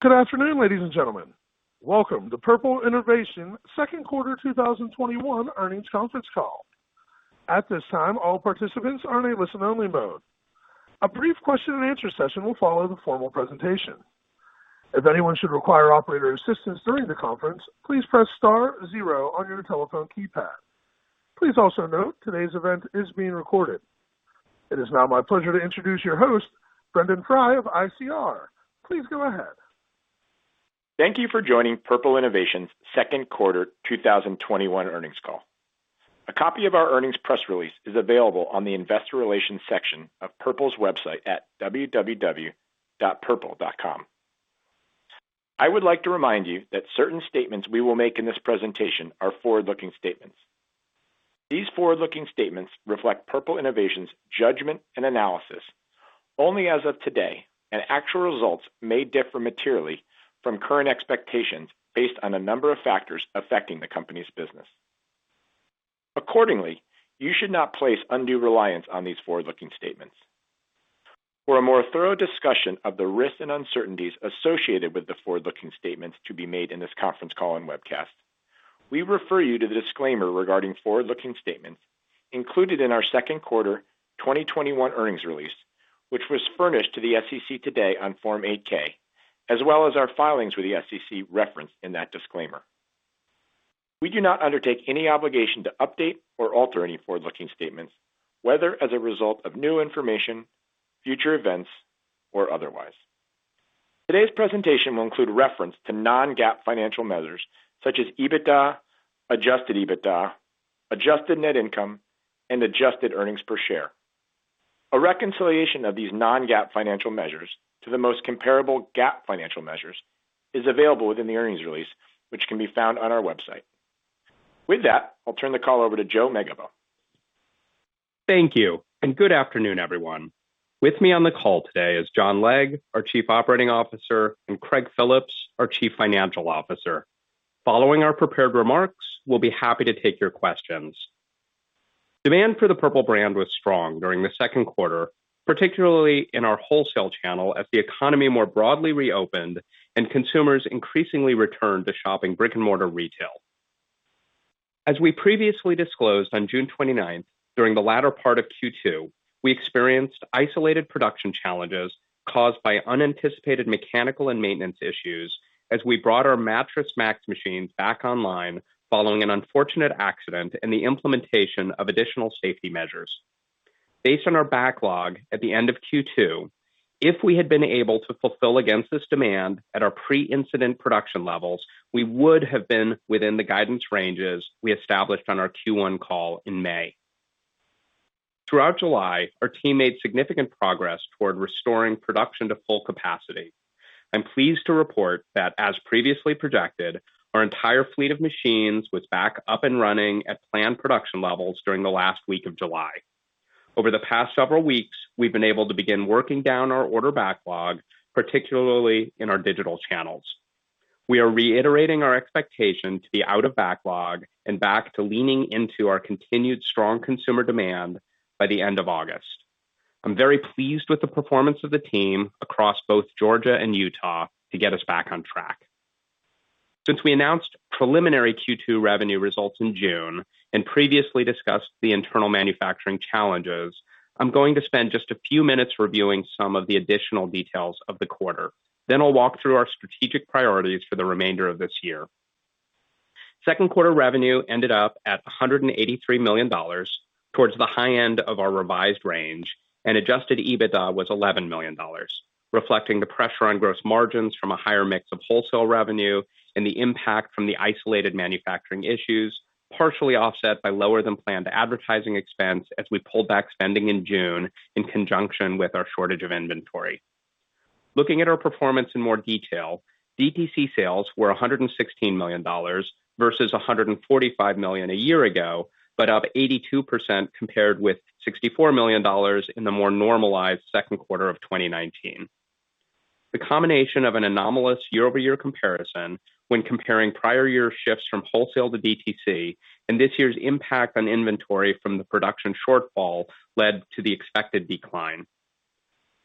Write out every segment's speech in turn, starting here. Good afternoon, ladies and gentlemen. Welcome to Purple Innovation second quarter 2021 earnings conference call. At this time all participants are in a listen-only mode. A brief question and answer session will follow the formal presentation. If anyone should require operator's assistance during the conference, please press star zero on your telephone keypad. Please also note today's event is being recorded. It is now my pleasure to introduce your host, Brendon Frey of ICR. Please go ahead. Thank you for joining Purple Innovation's second quarter 2021 earnings call. A copy of our earnings press release is available on the investor relations section of Purple's website at www.purple.com. I would like to remind you that certain statements we will make in this presentation are forward-looking statements. These forward-looking statements reflect Purple Innovation's judgment and analysis only as of today, actual results may differ materially from current expectations based on a number of factors affecting the company's business. Accordingly, you should not place undue reliance on these forward-looking statements. For a more thorough discussion of the risks and uncertainties associated with the forward-looking statements to be made in this conference call and webcast, we refer you to the disclaimer regarding forward-looking statements included in our second quarter 2021 earnings release, which was furnished to the SEC today on Form 8-K, as well as our filings with the SEC referenced in that disclaimer. We do not undertake any obligation to update or alter any forward-looking statements, whether as a result of new information, future events, or otherwise. Today's presentation will include reference to non-GAAP financial measures such as EBITDA, adjusted EBITDA, adjusted net income, and adjusted earnings per share. A reconciliation of these non-GAAP financial measures to the most comparable GAAP financial measures is available within the earnings release, which can be found on our website. With that, I'll turn the call over to Joe Megibow. Thank you, and good afternoon, everyone. With me on the call today is John Legg, our Chief Operating Officer, and Craig Phillips, our Chief Financial Officer. Following our prepared remarks, we'll be happy to take your questions. Demand for the Purple brand was strong during the second quarter, particularly in our wholesale channel as the economy more broadly reopened and consumers increasingly returned to shopping brick-and-mortar retail. As we previously disclosed on June 29th, during the latter part of Q2, we experienced isolated production challenges caused by unanticipated mechanical and maintenance issues as we brought our Mattress Max machines back online following an unfortunate accident and the implementation of additional safety measures. Based on our backlog at the end of Q2, if we had been able to fulfill against this demand at our pre-incident production levels, we would have been within the guidance ranges we established on our Q1 call in May. Throughout July, our team made significant progress toward restoring production to full capacity. I'm pleased to report that, as previously projected, our entire fleet of machines was back up and running at planned production levels during the last week of July. Over the past several weeks, we've been able to begin working down our order backlog, particularly in our digital channels. We are reiterating our expectation to be out of backlog and back to leaning into our continued strong consumer demand by the end of August. I'm very pleased with the performance of the team across both Georgia and Utah to get us back on track. Since we announced preliminary Q2 revenue results in June and previously discussed the internal manufacturing challenges, I'm going to spend just a few minutes reviewing some of the additional details of the quarter. I'll walk through our strategic priorities for the remainder of this year. Second quarter revenue ended up at $183 million, towards the high end of our revised range, and adjusted EBITDA was $11 million, reflecting the pressure on gross margins from a higher mix of wholesale revenue and the impact from the isolated manufacturing issues, partially offset by lower than planned advertising expense as we pulled back spending in June in conjunction with our shortage of inventory. Looking at our performance in more detail, DTC sales were $116 million versus $145 million a year ago, but up 82% compared with $64 million in the more normalized second quarter of 2019. The combination of an anomalous year-over-year comparison when comparing prior year shifts from wholesale to DTC and this year's impact on inventory from the production shortfall led to the expected decline.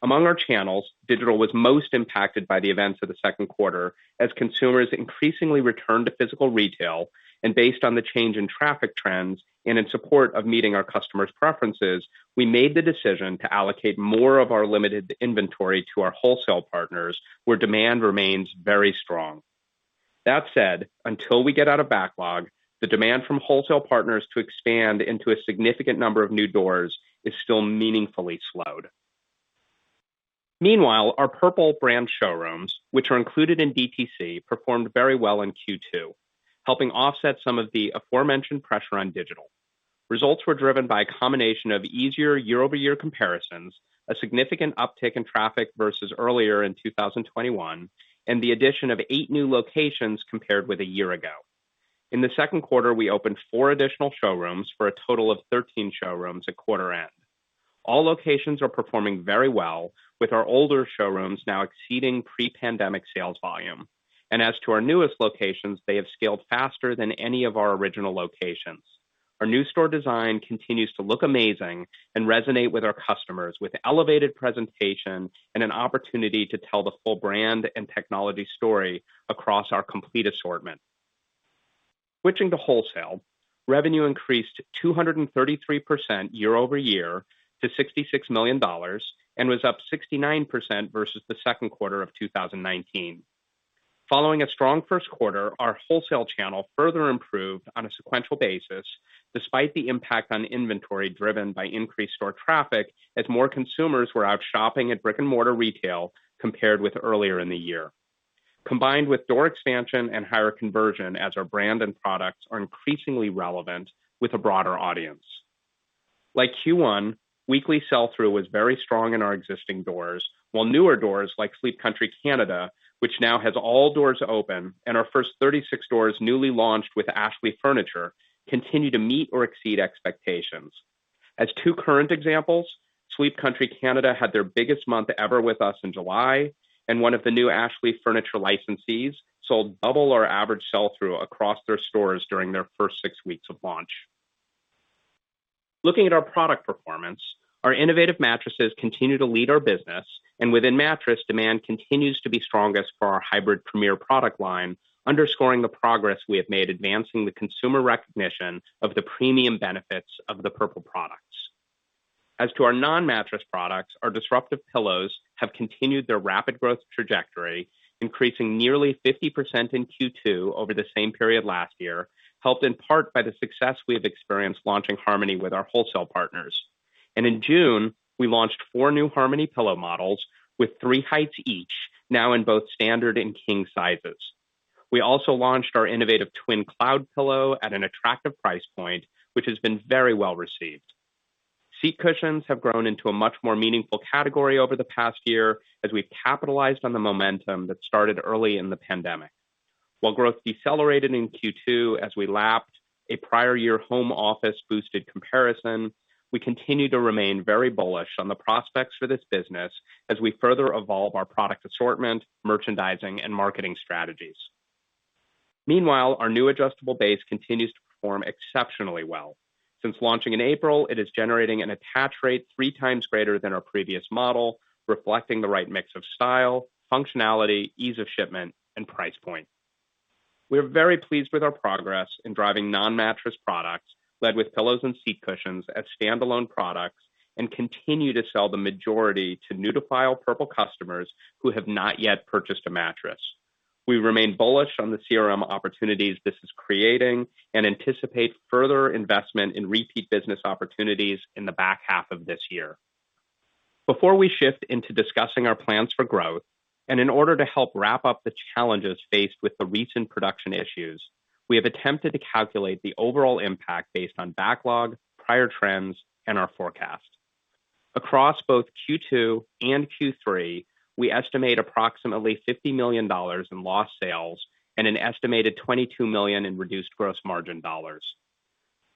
Among our channels, digital was most impacted by the events of the second quarter as consumers increasingly returned to physical retail, and based on the change in traffic trends and in support of meeting our customers' preferences, we made the decision to allocate more of our limited inventory to our wholesale partners where demand remains very strong. That said, until we get out of backlog, the demand from wholesale partners to expand into a significant number of new doors is still meaningfully slowed. Meanwhile, our Purple brand showrooms, which are included in DTC, performed very well in Q2, helping offset some of the aforementioned pressure on digital. Results were driven by a combination of easier year-over-year comparisons, a significant uptick in traffic versus earlier in 2021, and the addition of eight new locations compared with a year ago. In the second quarter, we opened four additional showrooms for a total of 13 showrooms at quarter end. All locations are performing very well, with our older showrooms now exceeding pre-pandemic sales volume. As to our newest locations, they have scaled faster than any of our original locations. Our new store design continues to look amazing and resonate with our customers with elevated presentation and an opportunity to tell the full brand and technology story across our complete assortment. Switching to wholesale, revenue increased 233% year-over-year to $66 million and was up 69% versus the second quarter of 2019. Following a strong first quarter, our wholesale channel further improved on a sequential basis, despite the impact on inventory driven by increased store traffic, as more consumers were out shopping at brick-and-mortar retail compared with earlier in the year, combined with door expansion and higher conversion as our brand and products are increasingly relevant with a broader audience. Like Q1, weekly sell-through was very strong in our existing doors, while newer doors like Sleep Country Canada, which now has all doors open, and our first 36 doors newly launched with Ashley Furniture, continue to meet or exceed expectations. As two current examples, Sleep Country Canada had their biggest month ever with us in July, and one of the new Ashley Furniture licensees sold double our average sell-through across their stores during their first six weeks of launch. Looking at our product performance, our innovative mattresses continue to lead our business. Within mattress, demand continues to be strongest for our Hybrid Premier product line, underscoring the progress we have made advancing the consumer recognition of the premium benefits of the Purple products. As to our non-mattress products, our disruptive pillows have continued their rapid growth trajectory, increasing nearly 50% in Q2 over the same period last year, helped in part by the success we have experienced launching Harmony with our wholesale partners. In June, we launched four new Harmony pillow models with three heights each, now in both standard and king sizes. We also launched our innovative TwinCloud pillow at an attractive price point, which has been very well received. Seat cushions have grown into a much more meaningful category over the past year, as we've capitalized on the momentum that started early in the pandemic. While growth decelerated in Q2 as we lapped a prior year home office-boosted comparison, we continue to remain very bullish on the prospects for this business as we further evolve our product assortment, merchandising, and marketing strategies. Meanwhile, our new adjustable base continues to perform exceptionally well. Since launching in April, it is generating an attach rate 3x greater than our previous model, reflecting the right mix of style, functionality, ease of shipment, and price point. We are very pleased with our progress in driving non-mattress products, led with pillows and seat cushions as standalone products, and continue to sell the majority to new-to-file Purple customers who have not yet purchased a mattress. We remain bullish on the CRM opportunities this is creating and anticipate further investment in repeat business opportunities in the back half of this year. Before we shift into discussing our plans for growth, and in order to help wrap up the challenges faced with the recent production issues, we have attempted to calculate the overall impact based on backlog, prior trends, and our forecast. Across both Q2 and Q3, we estimate approximately $50 million in lost sales and an estimated $22 million in reduced gross margin dollars.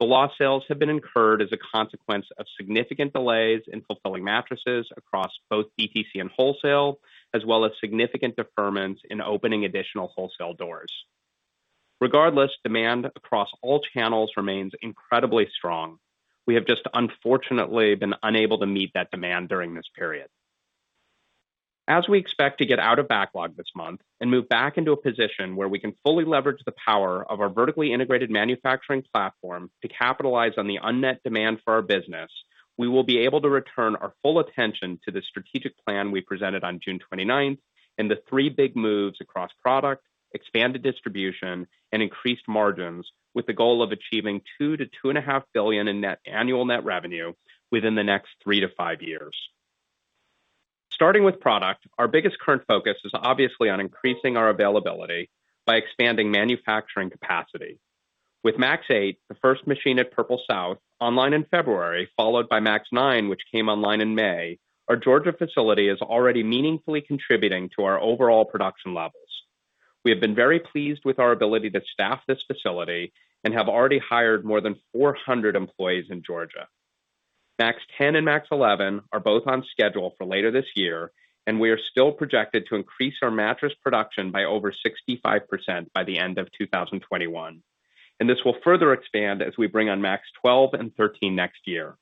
The lost sales have been incurred as a consequence of significant delays in fulfilling mattresses across both DTC and wholesale, as well as significant deferments in opening additional wholesale doors. Regardless, demand across all channels remains incredibly strong. We have just unfortunately been unable to meet that demand during this period. As we expect to get out of backlog this month and move back into a position where we can fully leverage the power of our vertically integrated manufacturing platform to capitalize on the unmet demand for our business, we will be able to return our full attention to the strategic plan we presented on June 29th and the three big moves across product, expanded distribution, and increased margins, with the goal of achieving $2 billion-$2.5 billion in annual net revenue within the next three to five years. Starting with product, our biggest current focus is obviously on increasing our availability by expanding manufacturing capacity. With Max 8, the first machine at Purple South, online in February, followed by Max 9, which came online in May, our Georgia facility is already meaningfully contributing to our overall production levels. We have been very pleased with our ability to staff this facility and have already hired more than 400 employees in Georgia. Max 10 and Max 11 are both on schedule for later this year, and we are still projected to increase our mattress production by over 65% by the end of 2021. This will further expand as we bring on Max 12 and 13 next year.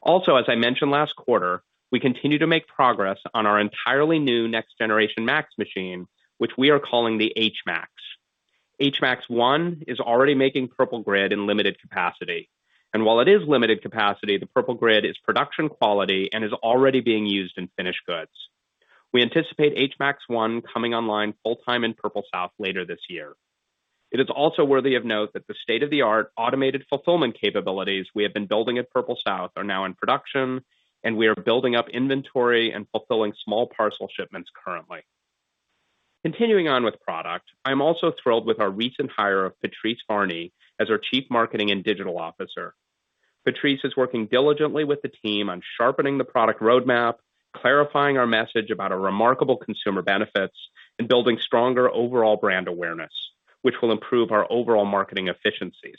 Also, as I mentioned last quarter, we continue to make progress on our entirely new next-generation Max machine, which we are calling the HMax. HMax 1 is already making Purple Grid in limited capacity. While it is limited capacity, the Purple Grid is production quality and is already being used in finished goods. We anticipate HMax 1 coming online full time in Purple South later this year. It is also worthy of note that the state-of-the-art automated fulfillment capabilities we have been building at Purple South are now in production, and we are building up inventory and fulfilling small parcel shipments currently. Continuing on with product, I'm also thrilled with our recent hire of Patrice Varni as our Chief Marketing and Digital Officer. Patrice is working diligently with the team on sharpening the product roadmap, clarifying our message about our remarkable consumer benefits, and building stronger overall brand awareness, which will improve our overall marketing efficiencies.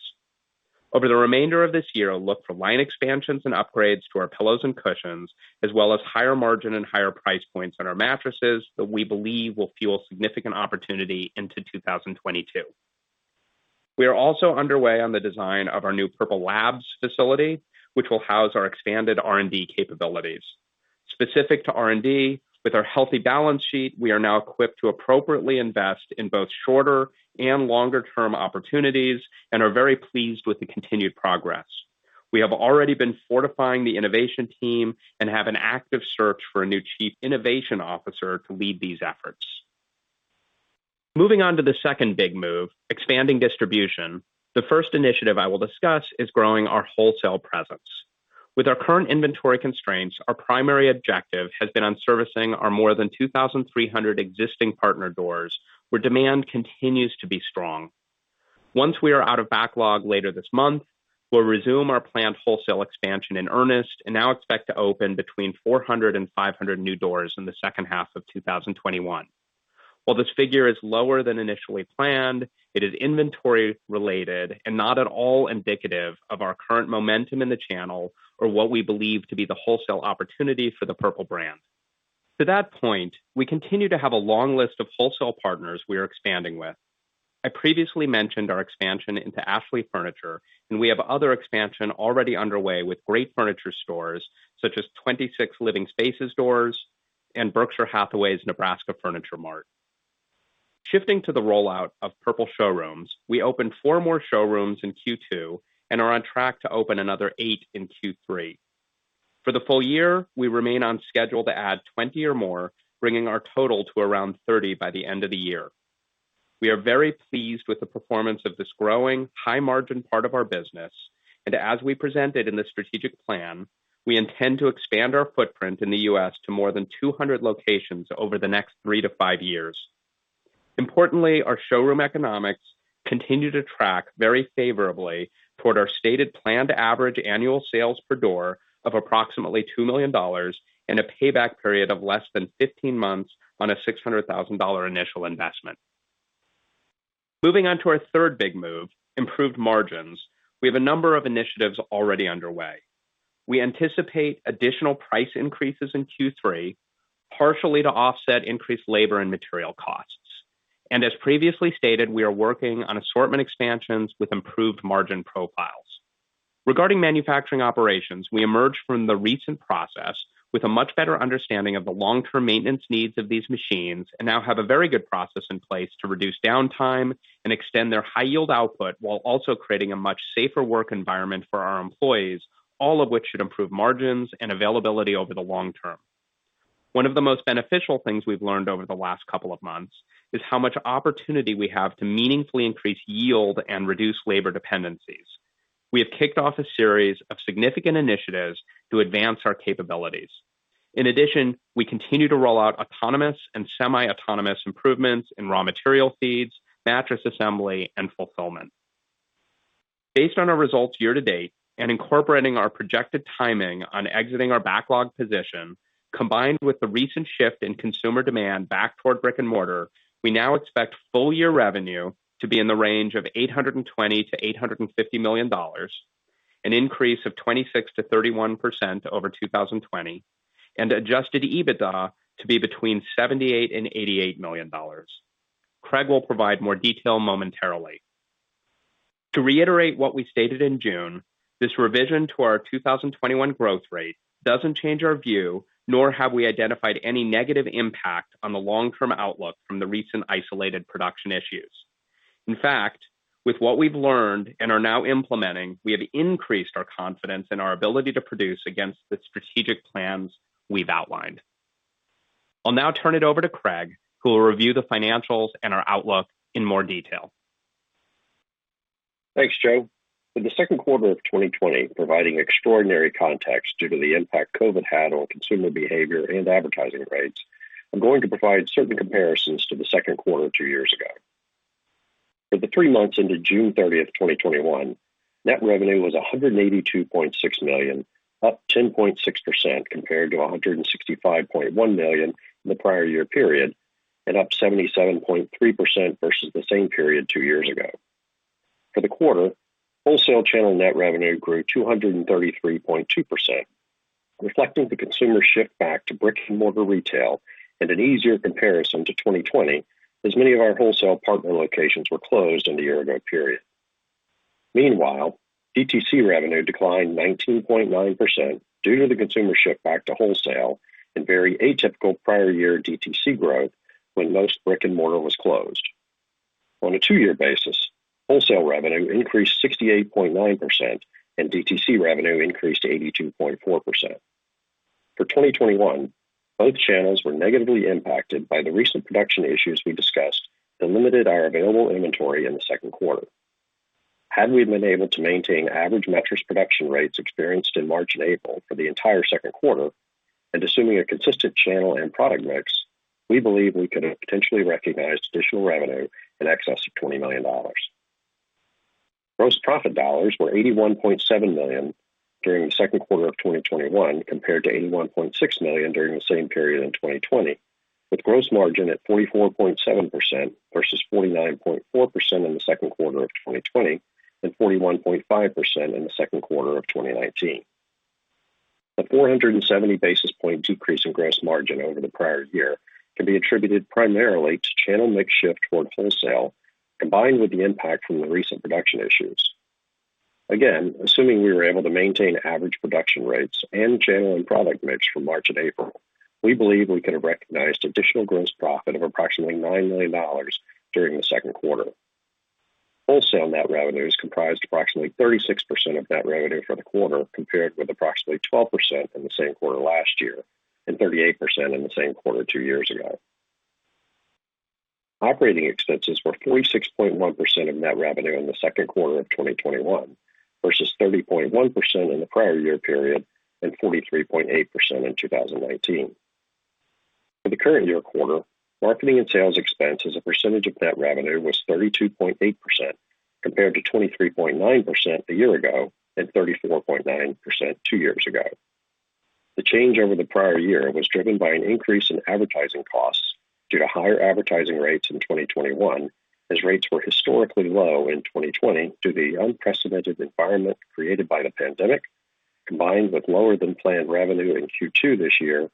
Over the remainder of this year, look for line expansions and upgrades to our pillows and cushions, as well as higher margin and higher price points on our mattresses that we believe will fuel significant opportunity into 2022. We are also underway on the design of our new Purple Labs facility, which will house our expanded R&D capabilities. Specific to R&D, with our healthy balance sheet, we are now equipped to appropriately invest in both shorter and longer-term opportunities and are very pleased with the continued progress. We have already been fortifying the innovation team and have an active search for a new chief innovation officer to lead these efforts. Moving on to the second big move, expanding distribution, the first initiative I will discuss is growing our wholesale presence. With our current inventory constraints, our primary objective has been on servicing our more than 2,300 existing partner doors, where demand continues to be strong. Once we are out of backlog later this month, we'll resume our planned wholesale expansion in earnest and now expect to open between 400 and 500 new doors in the second half of 2021. While this figure is lower than initially planned, it is inventory-related and not at all indicative of our current momentum in the channel or what we believe to be the wholesale opportunity for the Purple brand. To that point, we continue to have a long list of wholesale partners we are expanding with. I previously mentioned our expansion into Ashley Furniture, and we have other expansion already underway with great furniture stores, such as 26 Living Spaces stores and Berkshire Hathaway's Nebraska Furniture Mart. Shifting to the rollout of Purple showrooms, we opened four more showrooms in Q2 and are on track to open another eight in Q3. For the full year, we remain on schedule to add 20 or more, bringing our total to around 30 by the end of the year. We are very pleased with the performance of this growing, high-margin part of our business. As we presented in the strategic plan, we intend to expand our footprint in the U.S. to more than 200 locations over the next three to five years. Importantly, our showroom economics continue to track very favorably toward our stated planned average annual sales per door of approximately $2 million and a payback period of less than 15 months on a $600,000 initial investment. Moving on to our third big move, improved margins, we have a number of initiatives already underway. We anticipate additional price increases in Q3, partially to offset increased labor and material costs. As previously stated, we are working on assortment expansions with improved margin profiles. Regarding manufacturing operations, we emerged from the recent process with a much better understanding of the long-term maintenance needs of these machines and now have a very good process in place to reduce downtime and extend their high-yield output while also creating a much safer work environment for our employees, all of which should improve margins and availability over the long term. One of the most beneficial things we've learned over the last couple of months is how much opportunity we have to meaningfully increase yield and reduce labor dependencies. We have kicked off a series of significant initiatives to advance our capabilities. In addition, we continue to roll out autonomous and semi-autonomous improvements in raw material feeds, mattress assembly, and fulfillment. Based on our results year-to-date and incorporating our projected timing on exiting our backlog position, combined with the recent shift in consumer demand back toward brick-and-mortar, we now expect full-year revenue to be in the range of $820 million-$850 million, an increase of 26%-31% over 2020, and adjusted EBITDA to be between $78 million and $88 million. Craig will provide more detail momentarily. To reiterate what we stated in June, this revision to our 2021 growth rate doesn't change our view, nor have we identified any negative impact on the long-term outlook from the recent isolated production issues. In fact, with what we've learned and are now implementing, we have increased our confidence in our ability to produce against the strategic plans we've outlined. I'll now turn it over to Craig, who will review the financials and our outlook in more detail. Thanks, Joe. For the second quarter of 2020, providing extraordinary context due to the impact COVID had on consumer behavior and advertising rates, I'm going to provide certain comparisons to the second quarter two years ago. For the three months ended June 30th, 2021, net revenue was $182.6 million, up 10.6% compared to $165.1 million in the prior year period, and up 77.3% versus the same period two years ago. For the quarter, wholesale channel net revenue grew 233.2%, reflecting the consumer shift back to brick-and-mortar retail and an easier comparison to 2020, as many of our wholesale partner locations were closed in the year-ago period. Meanwhile, DTC revenue declined 19.9% due to the consumer shift back to wholesale and very atypical prior year DTC growth when most brick-and-mortar was closed. On a two-year basis, wholesale revenue increased 68.9% and DTC revenue increased 82.4%. For 2021, both channels were negatively impacted by the recent production issues we discussed that limited our available inventory in the second quarter. Had we been able to maintain average mattress production rates experienced in March and April for the entire second quarter, and assuming a consistent channel and product mix, we believe we could have potentially recognized additional revenue in excess of $20 million. Gross profit dollars were $81.7 million during the second quarter of 2021, compared to $81.6 million during the same period in 2020, with gross margin at 44.7% versus 49.4% in the second quarter of 2020 and 41.5% in the second quarter of 2019. The 470 basis point decrease in gross margin over the prior year can be attributed primarily to channel mix shift toward wholesale, combined with the impact from the recent production issues. Again, assuming we were able to maintain average production rates and channel and product mix for March and April, we believe we could have recognized additional gross profit of approximately $9 million during the second quarter. Wholesale net revenue is comprised approximately 36% of net revenue for the quarter, compared with approximately 12% in the same quarter last year, and 38% in the same quarter two years ago. Operating expenses were 46.1% of net revenue in the second quarter of 2021 versus 30.1% in the prior year period and 43.8% in 2019. For the current year quarter, marketing and sales expense as a percentage of net revenue was 32.8%, compared to 23.9% a year ago and 34.9% two years ago. The change over the prior year was driven by an increase in advertising costs due to higher advertising rates in 2021, as rates were historically low in 2020 due to the unprecedented environment created by the pandemic, combined with lower than planned revenue in Q2 this year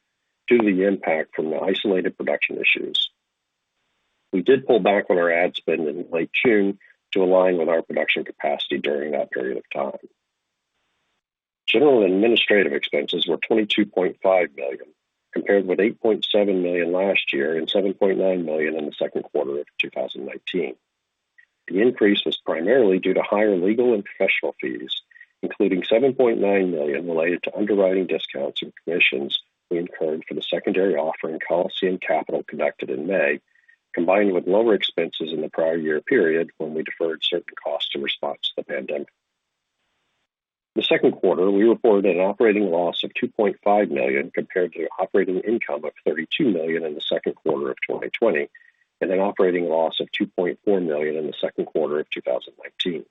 due to the impact from the isolated production issues. We did pull back on our ad spend in late June to align with our production capacity during that period of time. General and administrative expenses were $22.5 million, compared with $8.7 million last year and $7.9 million in the second quarter of 2019. The increase was primarily due to higher legal and professional fees, including $7.9 million related to underwriting discounts and commissions we incurred for the secondary offering Coliseum Capital conducted in May, combined with lower expenses in the prior year period when we deferred certain costs in response to the pandemic. In the second quarter, we reported an operating loss of $2.5 million, compared to operating income of $32 million in the second quarter of 2020, and an operating loss of $2.4 million in the second quarter of 2019.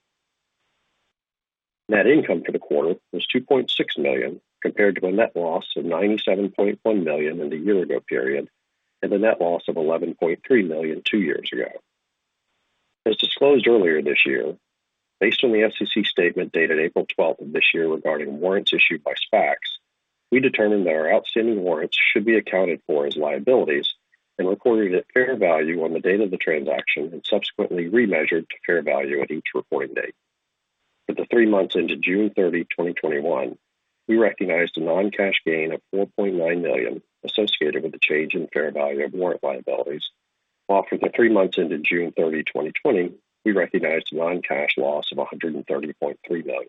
Net income for the quarter was $2.6 million, compared to a net loss of $97.1 million in the year ago period, and a net loss of $11.3 million two years ago. As disclosed earlier this year, based on the SEC statement dated April 12 of this year regarding warrants issued by SPACs, we determined that our outstanding warrants should be accounted for as liabilities and recorded at fair value on the date of the transaction and subsequently remeasured to fair value at each reporting date. For the three months ended June 30, 2021, we recognized a non-cash gain of $4.9 million associated with the change in fair value of warrant liabilities. While for the three months ended June 30, 2020, we recognized a non-cash loss of $130.3 million.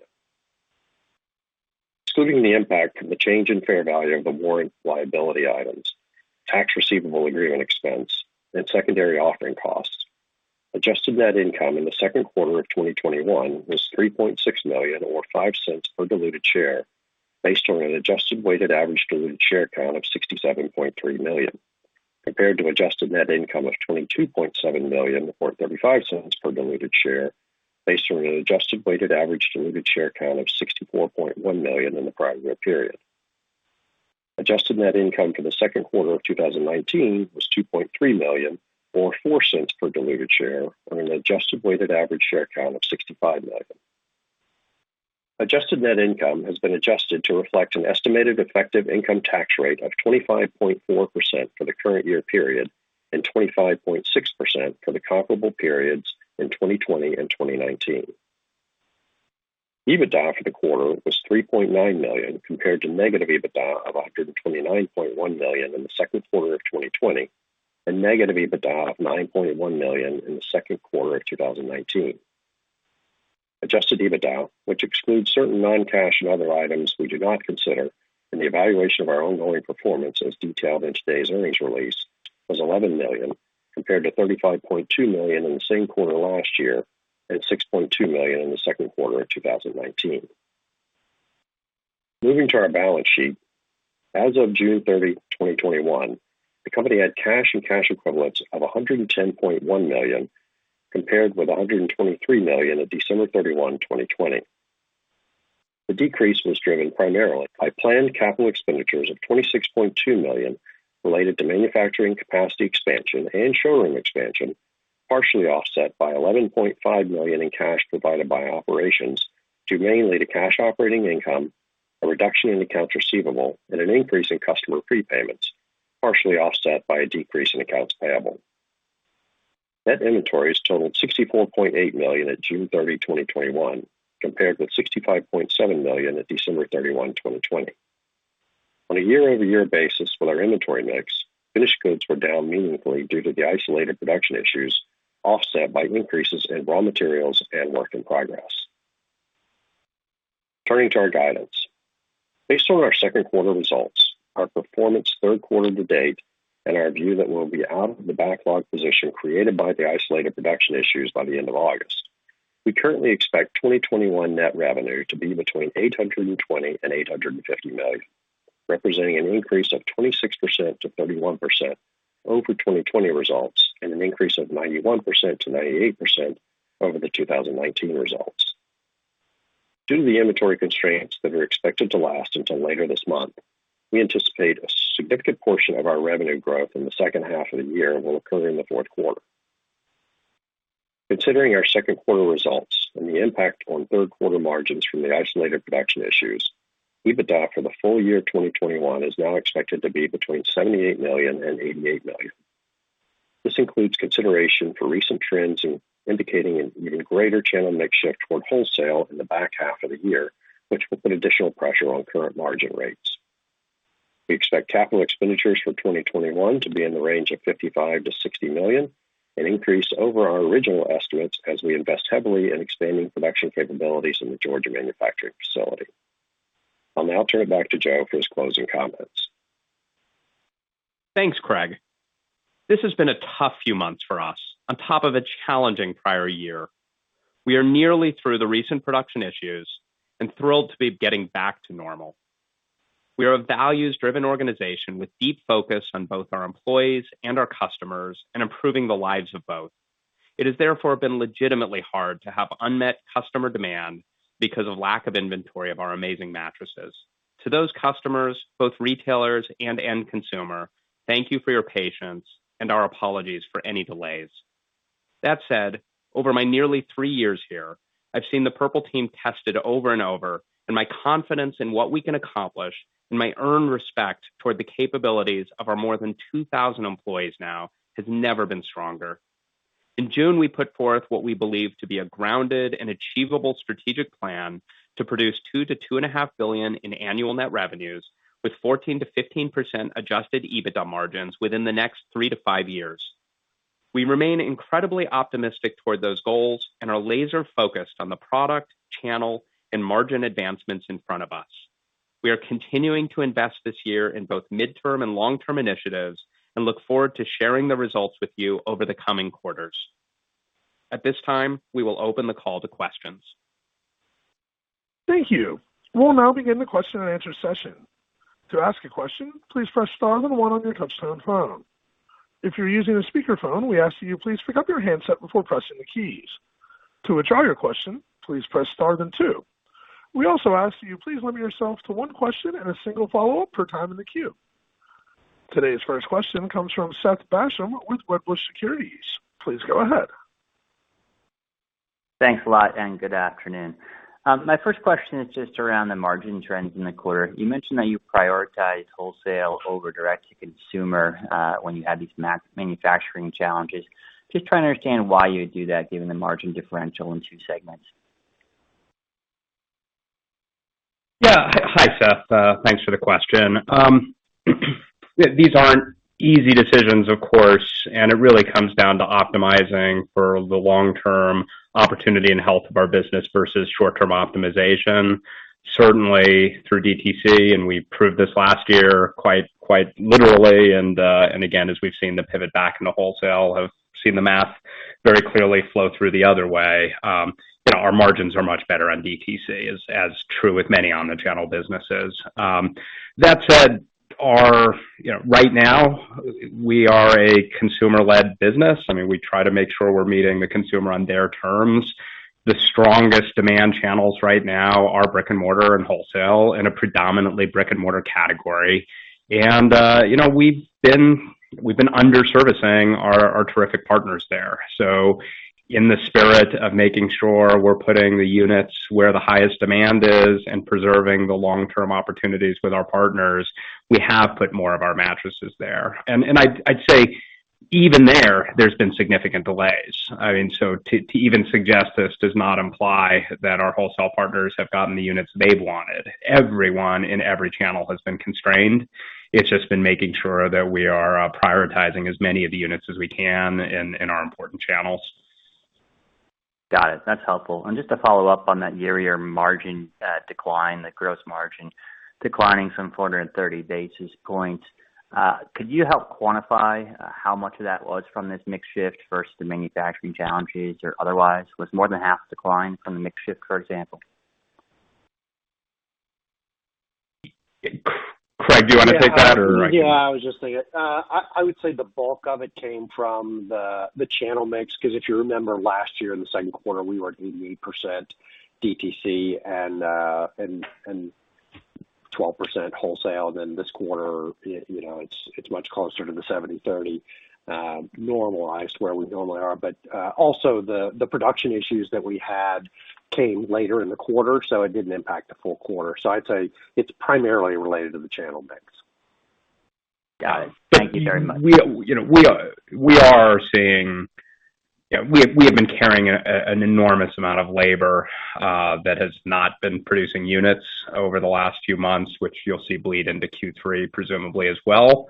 Excluding the impact from the change in fair value of the warrant liability items, tax receivable agreement expense, and secondary offering costs, adjusted net income in the second quarter of 2021 was $3.6 million or $0.05 per diluted share based on an adjusted weighted average diluted share count of 67.3 million, compared to adjusted net income of $22.7 million or $0.35 per diluted share based on an adjusted weighted average diluted share count of 64.1 million in the prior year period. Adjusted net income for the second quarter of 2019 was $2.3 million or $0.04 per diluted share on an adjusted weighted average share count of 65 million. Adjusted net income has been adjusted to reflect an estimated effective income tax rate of 25.4% for the current year period and 25.6% for the comparable periods in 2020 and 2019. EBITDA for the quarter was $3.9 million compared to negative EBITDA of $129.1 million in the second quarter of 2020, and negative EBITDA of $9.1 million in the second quarter of 2019. Adjusted EBITDA, which excludes certain non-cash and other items we do not consider in the evaluation of our ongoing performance, as detailed in today's earnings release, was $11 million, compared to $35.2 million in the same quarter last year and $6.2 million in the second quarter of 2019. Moving to our balance sheet. As of June 30, 2021, the company had cash and cash equivalents of $110.1 million, compared with $123 million at December 31, 2020. The decrease was driven primarily by planned CapEx of $26.2 million related to manufacturing capacity expansion and showroom expansion, partially offset by $11.5 million in cash provided by operations due mainly to cash operating income, a reduction in accounts receivable, and an increase in customer prepayments, partially offset by a decrease in accounts payable. Net inventories totaled $64.8 million at June 30, 2021, compared with $65.7 million at December 31, 2020. On a year-over-year basis with our inventory mix, finished goods were down meaningfully due to the isolated production issues, offset by increases in raw materials and work in progress. Turning to our guidance. Based on our second quarter results, our performance third quarter to date, and our view that we'll be out of the backlog position created by the isolated production issues by the end of August, we currently expect 2021 net revenue to be between $820 million and $850 million, representing an increase of 26%-31% over 2020 results and an increase of 91%-98% over the 2019 results. Due to the inventory constraints that are expected to last until later this month, we anticipate a significant portion of our revenue growth in the second half of the year will occur in the fourth quarter. Considering our second quarter results and the impact on third quarter margins from the isolated production issues, EBITDA for the full year 2021 is now expected to be between $78 million and $88 million. This includes consideration for recent trends indicating an even greater channel mix shift toward wholesale in the back half of the year, which will put additional pressure on current margin rates. We expect capital expenditures for 2021 to be in the range of $55 million-$60 million, an increase over our original estimates as we invest heavily in expanding production capabilities in the Georgia manufacturing facility. I'll now turn it back to Joe for his closing comments. Thanks, Craig. This has been a tough few months for us, on top of a challenging prior year. We are nearly through the recent production issues and thrilled to be getting back to normal. We are a values-driven organization with deep focus on both our employees and our customers and improving the lives of both. It has therefore been legitimately hard to have unmet customer demand because of lack of inventory of our amazing mattresses. To those customers, both retailers and end consumer, thank you for your patience, and our apologies for any delays. That said, over my nearly three years here, I've seen the Purple team tested over and over, and my confidence in what we can accomplish, and my earned respect toward the capabilities of our more than 2,000 employees now, has never been stronger. In June, we put forth what we believe to be a grounded and achievable strategic plan to produce $2 billion-$2.5 billion in annual net revenues with 14%-15% adjusted EBITDA margins within the next three to five years. We remain incredibly optimistic toward those goals and are laser-focused on the product, channel, and margin advancements in front of us. We are continuing to invest this year in both midterm and long-term initiatives and look forward to sharing the results with you over the coming quarters. At this time, we will open the call to questions. Thank you. We'll now begin the question and answer session. To ask a question, please press star then one on your touchtone phone. If you're using a speakerphone, we ask that you please pick up your handset before pressing the keys. To withdraw your question, please press star then two. We also ask that you please limit yourself to one question and a single follow-up per time in the queue. Today's first question comes from Seth Basham with Wedbush Securities. Please go ahead. Thanks a lot, and good afternoon. My first question is just around the margin trends in the quarter. You mentioned that you prioritize wholesale over direct-to-consumer, when you had these manufacturing challenges. Just trying to understand why you would do that, given the margin differential in two segments? Hi, Seth. Thanks for the question. These aren't easy decisions, of course, it really comes down to optimizing for the long-term opportunity and health of our business versus short-term optimization, certainly through DTC, and we proved this last year quite literally, and again, as we've seen the pivot back into wholesale, have seen the math very clearly flow through the other way. Our margins are much better on DTC, as true with many on the channel businesses. That said, right now, we are a consumer-led business. We try to make sure we're meeting the consumer on their terms. The strongest demand channels right now are brick and mortar and wholesale in a predominantly brick and mortar category. We've been underservicing our terrific partners there. In the spirit of making sure we're putting the units where the highest demand is and preserving the long-term opportunities with our partners, we have put more of our mattresses there. I'd say, even there's been significant delays. To even suggest this does not imply that our wholesale partners have gotten the units they've wanted. Everyone in every channel has been constrained. It's just been making sure that we are prioritizing as many of the units as we can in our important channels. Got it. That's helpful. Just to follow up on that year-over-year margin decline, the gross margin declining some 430 basis points, could you help quantify how much of that was from this mix shift versus the manufacturing challenges or otherwise? Was more than half the decline from the mix shift, for example? Craig, do you want to take that, or I can? I was just thinking. I would say the bulk of it came from the channel mix, because if you remember last year in the second quarter, we were at 88% DTC and 12% wholesale. This quarter, it's much closer to the 70/30 normalized, where we normally are. Also, the production issues that we had came later in the quarter, so it didn't impact the full quarter. I'd say it's primarily related to the channel mix. Got it. Thank you very much. We have been carrying an enormous amount of labor that has not been producing units over the last few months, which you'll see bleed into Q3 presumably as well.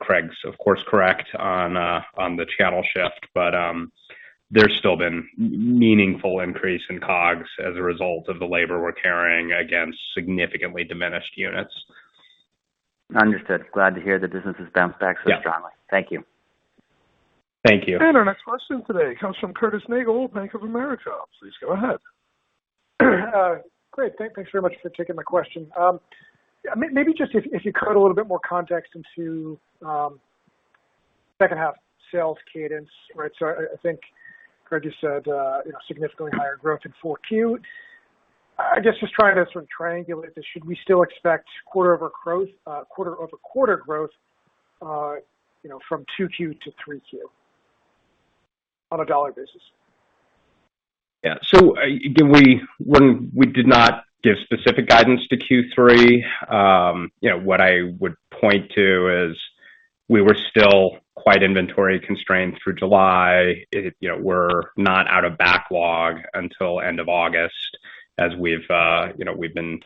Craig's, of course, correct on the channel shift, but there's still been meaningful increase in COGS as a result of the labor we're carrying against significantly diminished units. Understood. Glad to hear that business has bounced back so strongly. Yeah. Thank you. Thank you. Our next question today comes from Curtis Nagle, Bank of America. Please go ahead. Great. Thanks very much for taking my question. Maybe just if you could, a little bit more context into second half sales cadence, right? I think, Craig, you said significantly higher growth in 4Q. I guess just trying to sort of triangulate this, should we still expect quarter-over-quarter growth, from 2Q to 3Q on a dollar basis? We did not give specific guidance to Q3. What I would point to is we were still quite inventory constrained through July. We are not out of backlog until end of August, as we have been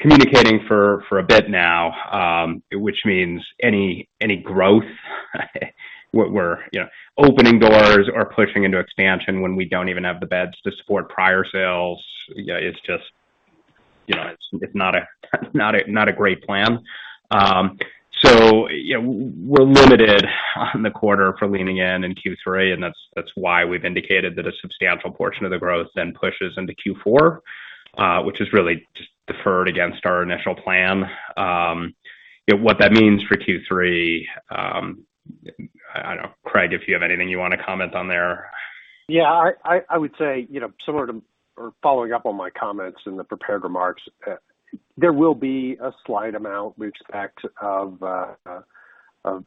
communicating for a bit now, which means any growth, we are opening doors or pushing into expansion when we do not even have the beds to support prior sales. It is not a great plan. We are limited on the quarter for leaning in in Q3, and that is why we have indicated that a substantial portion of the growth then pushes into Q4, which is really just deferred against our initial plan. What that means for Q3, I do not know. Craig, if you have anything you want to comment on there. I would say, following up on my comments in the prepared remarks, there will be a slight amount we expect of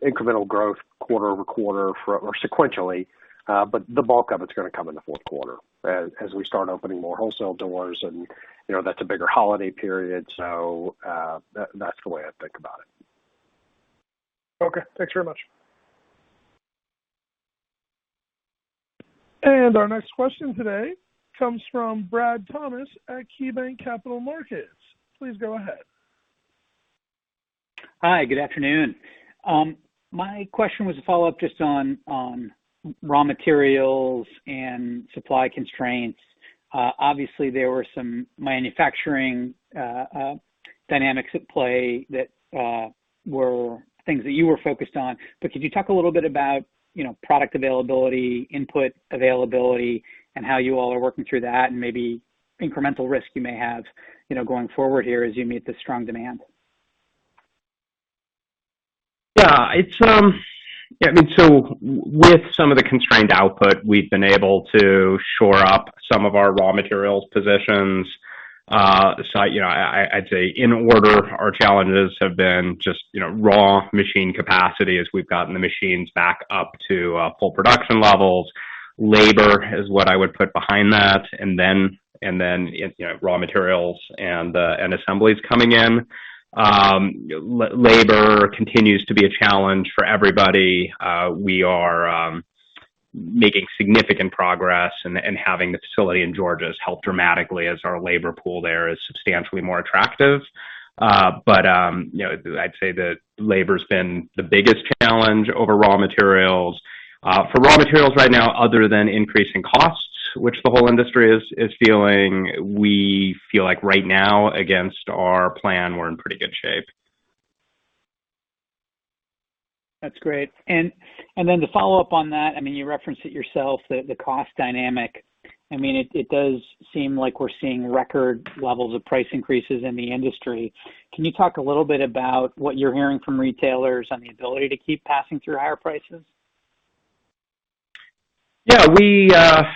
incremental growth quarter-over-quarter or sequentially. The bulk of it's going to come in the fourth quarter, as we start opening more wholesale doors, and that's a bigger holiday period. That's the way I think about it. Okay. Thanks very much. Our next question today comes from Brad Thomas at KeyBanc Capital Markets. Please go ahead. Hi, good afternoon. My question was a follow-up just on raw materials and supply constraints. Obviously, there were some manufacturing dynamics at play that were things that you were focused on, but could you talk a little bit about product availability, input availability, and how you all are working through that, and maybe incremental risk you may have going forward here as you meet the strong demand? Yeah. With some of the constrained output, we've been able to shore up some of our raw materials positions. I'd say in order, our challenges have been just raw machine capacity as we've gotten the machines back up to full production levels. Labor is what I would put behind that, and then raw materials and assemblies coming in. Labor continues to be a challenge for everybody. We are making significant progress, and having the facility in Georgia has helped dramatically as our labor pool there is substantially more attractive. I'd say that labor's been the biggest challenge over raw materials. For raw materials right now, other than increasing costs, which the whole industry is feeling, we feel like right now, against our plan, we're in pretty good shape. That's great. To follow up on that, you referenced it yourself, the cost dynamic. It does seem like we're seeing record levels of price increases in the industry. Can you talk a little bit about what you're hearing from retailers on the ability to keep passing through higher prices? Yeah.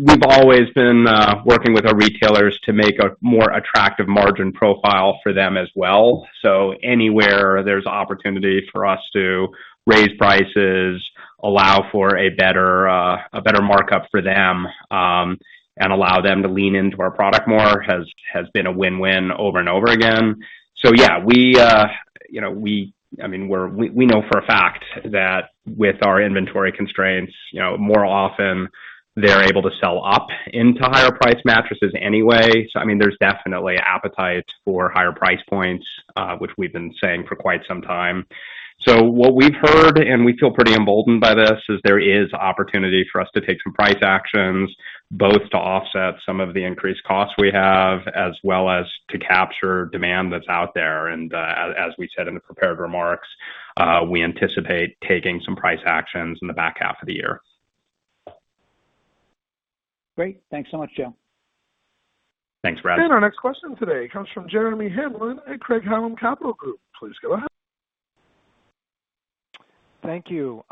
We've always been working with our retailers to make a more attractive margin profile for them as well. Anywhere there's opportunity for us to raise prices, allow for a better markup for them, and allow them to lean into our product more, has been a win-win over and over again. Yeah, we know for a fact that with our inventory constraints, more often, they're able to sell up into higher priced mattresses anyway. There's definitely appetite for higher price points, which we've been saying for quite some time. What we've heard, and we feel pretty emboldened by this, is there is opportunity for us to take some price actions, both to offset some of the increased costs we have, as well as to capture demand that's out there. As we said in the prepared remarks, we anticipate taking some price actions in the back half of the year. Great. Thanks so much, Joe. Thanks, Brad. Our next question today comes from Jeremy Hamblin at Craig-Hallum Capital Group. Please go ahead. Thank you.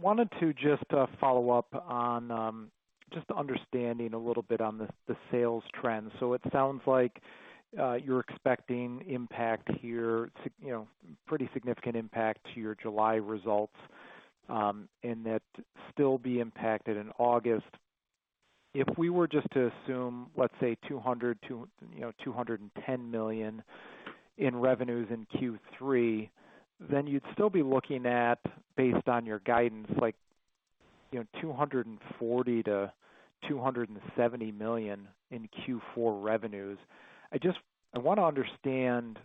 Wanted to just follow up on just understanding a little bit on the sales trends. It sounds like you're expecting pretty significant impact to your July results, and that still be impacted in August. If we were just to assume, let's say, $200 million-$210 million in revenues in Q3, then you'd still be looking at, based on your guidance, $240 million-$270 million in Q4 revenues. I want to understand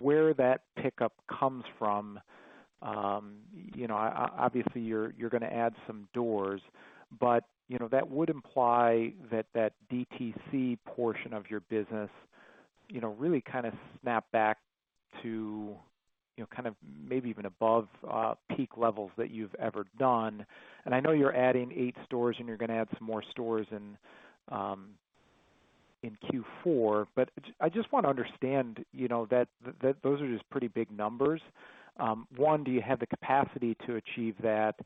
where that pickup comes from. Obviously, you're going to add some doors, but that would imply that that DTC portion of your business really kind of snap back to maybe even above peak levels that you've ever done. I know you're adding eight stores, and you're going to add some more stores in Q4. I just want to understand that those are just pretty big numbers. One, do you have the capacity to achieve that?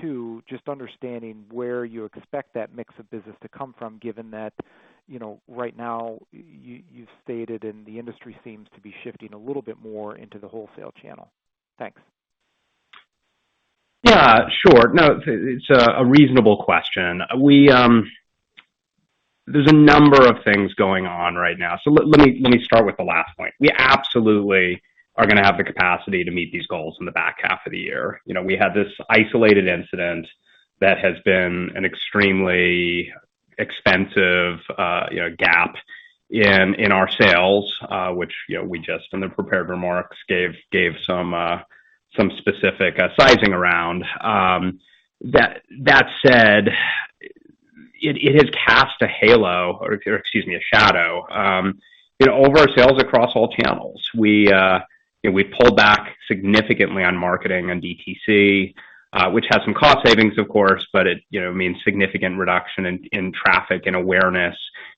Two, just understanding where you expect that mix of business to come from, given that, right now, you've stated, and the industry seems to be shifting a little bit more into the wholesale channel. Thanks. Yeah. Sure. No, it's a reasonable question. There's a number of things going on right now. Let me start with the last point. We absolutely are going to have the capacity to meet these goals in the back half of the year. We had this isolated incident that has been an extremely expensive gap in our sales, which we just, in the prepared remarks, gave some specific sizing around. That said, it has cast a shadow over our sales across all channels. We pulled back significantly on marketing and DTC, which has some cost savings, of course, but it means significant reduction in traffic and awareness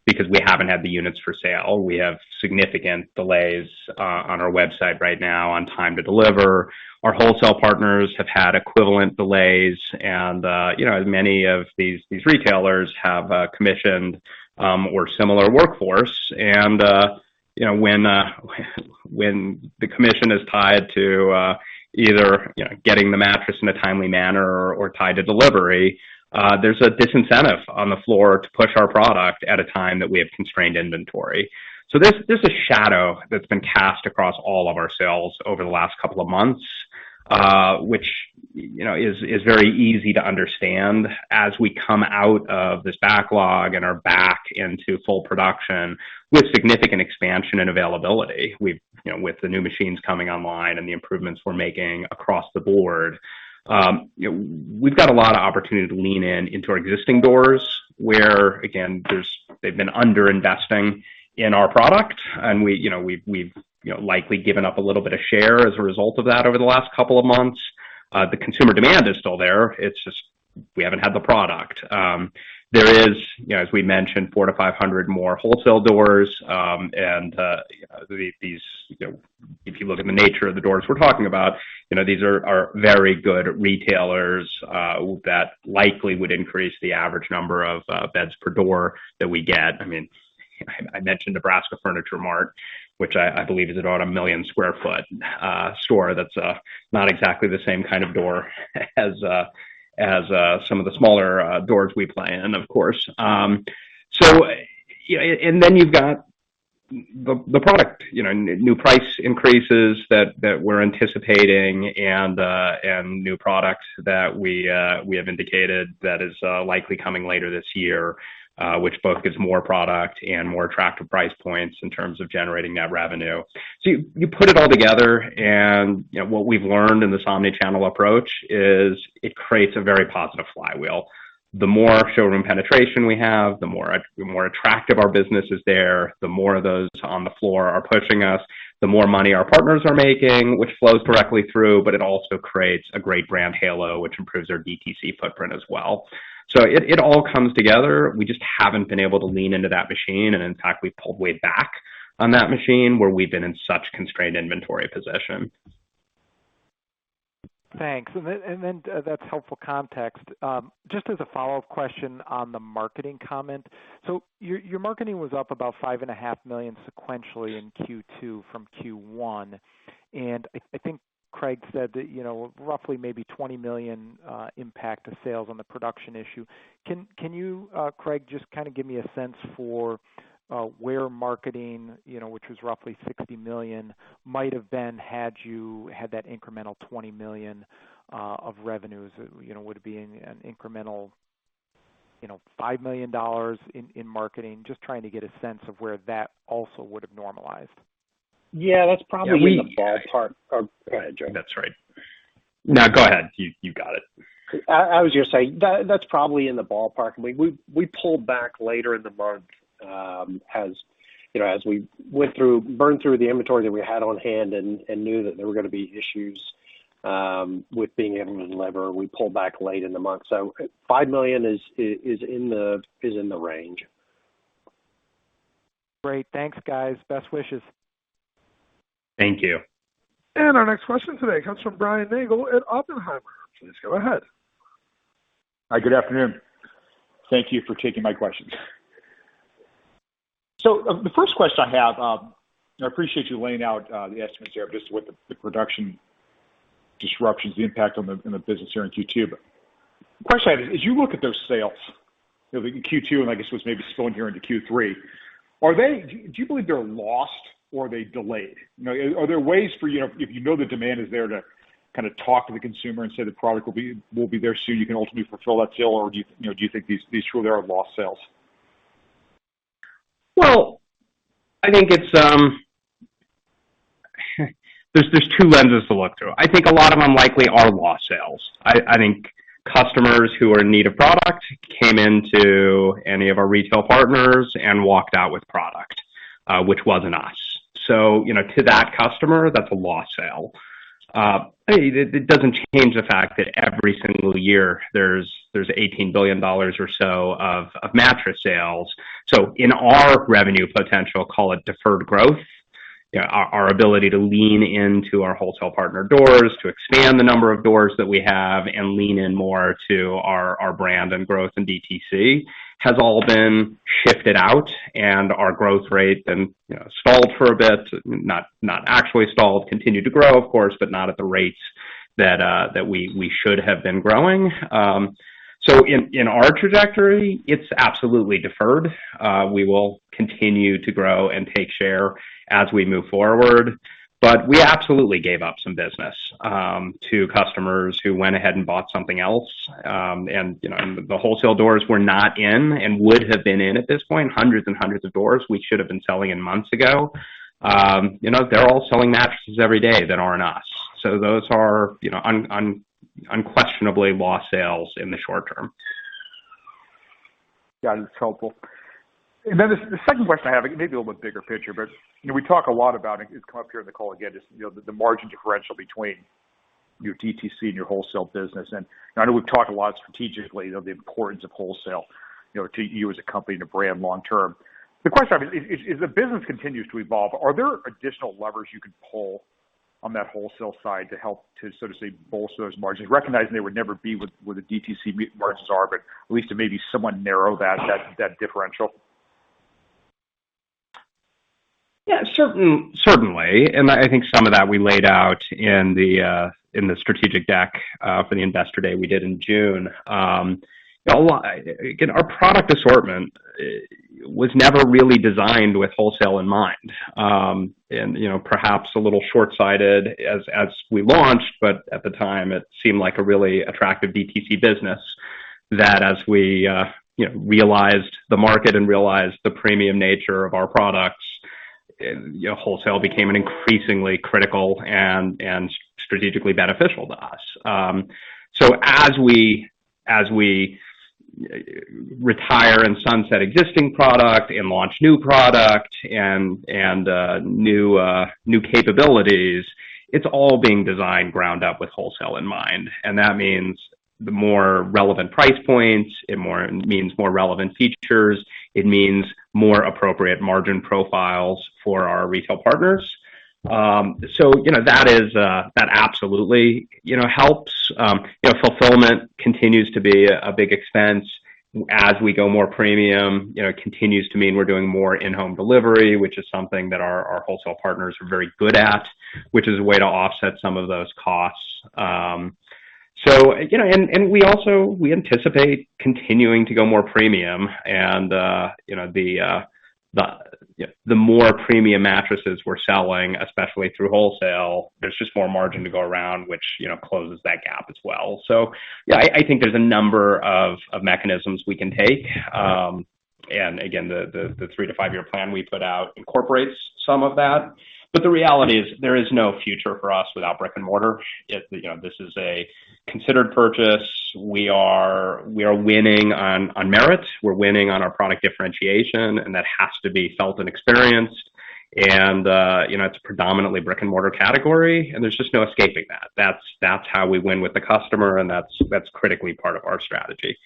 because we haven't had the units for sale. We have significant delays on our website right now on time to deliver. Our wholesale partners have had equivalent delays, and many of these retailers have commissioned or similar workforce. When the commission is tied to either getting the mattress in a timely manner or tied to delivery, there's a disincentive on the floor to push our product at a time that we have constrained inventory. There's a shadow that's been cast across all of our sales over the last couple of months, which is very easy to understand as we come out of this backlog and are back into full production with significant expansion and availability. With the new machines coming online and the improvements we're making across the board, we've got a lot of opportunity to lean in into our existing doors, where, again, they've been under-investing in our product. We've likely given up a little bit of share as a result of that over the last two months. The consumer demand is still there, it's just we haven't had the product. There is, as we mentioned, 400 to 500 more wholesale doors. If you look at the nature of the doors we're talking about, these are very good retailers that likely would increase the average number of beds per door that we get. I mentioned Nebraska Furniture Mart, which I believe is about a million-square-foot store. That's not exactly the same kind of door as some of the smaller doors we play in, of course. You've got the product. New price increases that we're anticipating and new products that we have indicated that is likely coming later this year, which both gives more product and more attractive price points in terms of generating that revenue. You put it all together, and what we've learned in this omni-channel approach is it creates a very positive flywheel. The more showroom penetration we have, the more attractive our business is there, the more of those on the floor are pushing us, the more money our partners are making, which flows directly through. It also creates a great brand halo, which improves our DTC footprint as well. It all comes together. We just haven't been able to lean into that machine, and in fact, we pulled way back on that machine where we've been in such constrained inventory position. Thanks. That's helpful context. Just as a follow-up question on the marketing comment. Your marketing was up about $5.5 million sequentially in Q2 from Q1, and I think Craig said that roughly maybe $20 million impact to sales on the production issue. Can you, Craig, just kind of give me a sense for where marketing, which was roughly $60 million, might have been had you had that incremental $20 million of revenues? Would it be an incremental $5 million in marketing? Just trying to get a sense of where that also would've normalized. Yeah, that's probably in the ballpark. Oh, go ahead, Joe. That's right. No, go ahead. You got it. I was just saying, that's probably in the ballpark. We pulled back later in the month as we burned through the inventory that we had on hand and knew that there were going to be issues with being able to deliver. We pulled back late in the month. $5 million is in the range. Great. Thanks, guys. Best wishes. Thank you. Our next question today comes from Brian Nagel at Oppenheimer. Please go ahead. Hi, good afternoon. Thank you for taking my questions. The first question I have, I appreciate you laying out the estimates there of just what the production disruptions, the impact on the business here in Q2. The question I have is, as you look at those sales, in Q2, and I guess what's maybe spilling here into Q3, do you believe they're lost or are they delayed? Are there ways for you, if you know the demand is there, to kind of talk to the consumer and say the product will be there soon, you can ultimately fulfill that sale, or do you think these truly are lost sales? Well, there's two lenses to look through. I think a lot of them likely are lost sales. I think customers who are in need of product came into any of our retail partners and walked out with product which wasn't us. To that customer, that's a lost sale. It doesn't change the fact that every single year there's $18 billion or so of mattress sales. In our revenue potential, call it deferred growth, our ability to lean into our wholesale partner doors, to expand the number of doors that we have and lean in more to our brand and growth in DTC has all been shifted out, and our growth rate then stalled for a bit. Not actually stalled, continued to grow, of course, but not at the rates that we should have been growing. In our trajectory, it's absolutely deferred. We will continue to grow and take share as we move forward. We absolutely gave up some business to customers who went ahead and bought something else. The wholesale doors were not in and would have been in at this point, hundreds and hundreds of doors we should've been selling in months ago. They're all selling mattresses every day that aren't us. Those are unquestionably lost sales in the short term. Yeah, that's helpful. The second question I have, maybe a little bit bigger picture, but we talk a lot about, and it's come up here in the call again, just the margin differential between your DTC and your wholesale business. I know we've talked a lot strategically of the importance of wholesale to you as a company and a brand long term. The question I have is, as the business continues to evolve, are there additional levers you can pull on that wholesale side to help to, so to say, bolster those margins, recognizing they would never be where the DTC margins are, but at least to maybe somewhat narrow that differential? Yeah, certainly. I think some of that we laid out in the strategic deck for the investor day we did in June. Again, our product assortment was never really designed with wholesale in mind. Perhaps a little shortsighted as we launched, but at the time, it seemed like a really attractive DTC business that as we realized the market and realized the premium nature of our products, wholesale became an increasingly critical and strategically beneficial to us. As we retire and sunset existing product and launch new product and new capabilities, it's all being designed ground up with wholesale in mind. That means the more relevant price points, it means more relevant features. It means more appropriate margin profiles for our retail partners. That absolutely helps. Fulfillment continues to be a big expense as we go more premium. Continues to mean we're doing more in-home delivery, which is something that our wholesale partners are very good at, which is a way to offset some of those costs. We also anticipate continuing to go more premium and the more premium mattresses we're selling, especially through wholesale, there's just more margin to go around, which closes that gap as well. Yeah, I think there's a number of mechanisms we can take. Again, the three to five-year plan we put out incorporates some of that. The reality is, there is no future for us without brick and mortar. This is a considered purchase. We are winning on merits. We're winning on our product differentiation, and that has to be felt and experienced. It's predominantly brick and mortar category, and there's just no escaping that. That's how we win with the customer, and that's critically part of our strategy.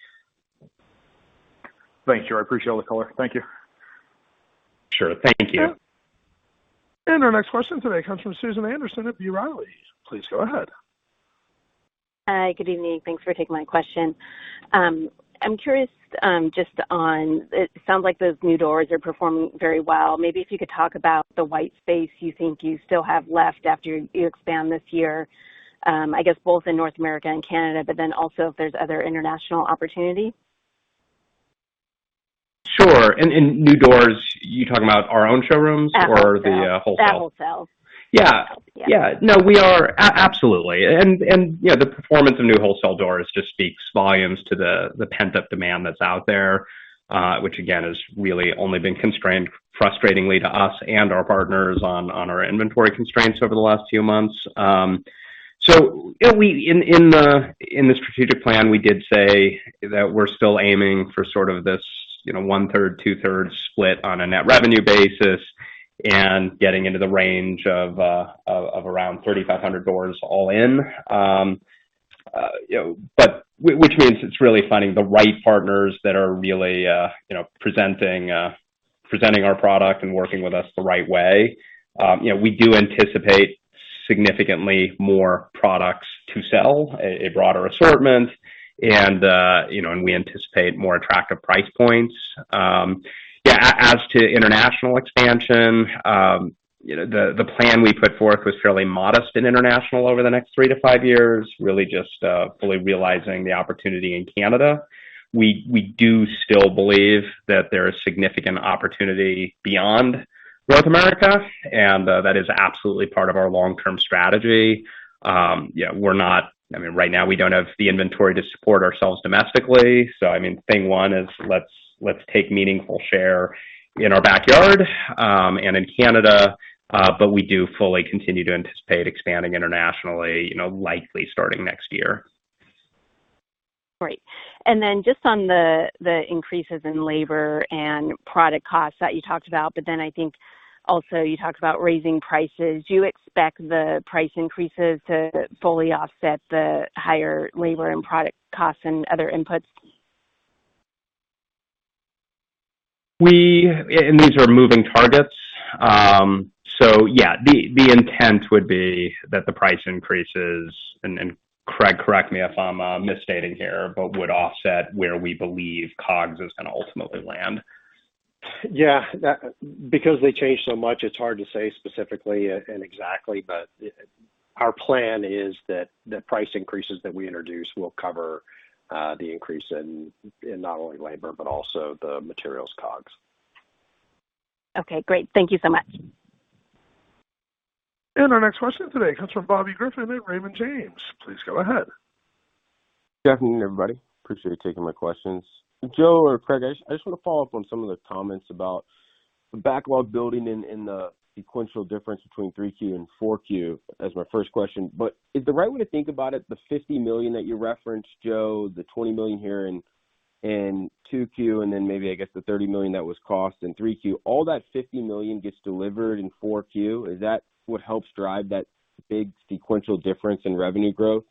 Thank you. I appreciate all the color. Thank you. Sure. Thank you. Our next question today comes from Susan Anderson at B. Riley. Please go ahead. Hi. Good evening. Thanks for taking my question. I'm curious, it sounds like those new doors are performing very well. Maybe if you could talk about the white space you think you still have left after you expand this year, I guess both in North America and Canada, also if there's other international opportunity? Sure. New doors, you talking about our own showrooms or the wholesale? The wholesales. No, absolutely. The performance of new wholesale doors just speaks volumes to the pent-up demand that's out there, which again, has really only been constrained, frustratingly to us and our partners on our inventory constraints over the last few months. In the strategic plan, we did say that we're still aiming for sort of this 1/3, 2/3 split on a net revenue basis and getting into the range of around 3,500 doors all in. Which means it's really finding the right partners that are really presenting our product and working with us the right way. We do anticipate significantly more products to sell, a broader assortment, and we anticipate more attractive price points. As to international expansion, the plan we put forth was fairly modest in international over the next three to five years, really just fully realizing the opportunity in Canada. We do still believe that there is significant opportunity beyond North America, and that is absolutely part of our long-term strategy. Right now, we don't have the inventory to support ourselves domestically. Thing one is, let's take meaningful share in our backyard and in Canada. We do fully continue to anticipate expanding internationally, likely starting next year. Great. Just on the increases in labor and product costs that you talked about, but then I think also you talked about raising prices. Do you expect the price increases to fully offset the higher labor and product costs and other inputs? These are moving targets. Yeah, the intent would be that the price increases, and Craig, correct me if I'm misstating here, but would offset where we believe COGS is going to ultimately land. Yeah. Because they change so much, it's hard to say specifically and exactly, but our plan is that the price increases that we introduce will cover the increase in not only labor but also the materials COGS. Okay, great. Thank you so much. Our next question today comes from Bobby Griffin at Raymond James. Please go ahead. Good afternoon, everybody. Appreciate you taking my questions. Joe or Craig, I just want to follow up on some of the comments about the backlog building and the sequential difference between 3Q and 4Q as my first question. Is the right way to think about it the $50 million that you referenced, Joe, the $20 million here in 2Q, maybe I guess the $30 million that was cost in 3Q, all that $50 million gets delivered in 4Q? Is that what helps drive that big sequential difference in revenue growth?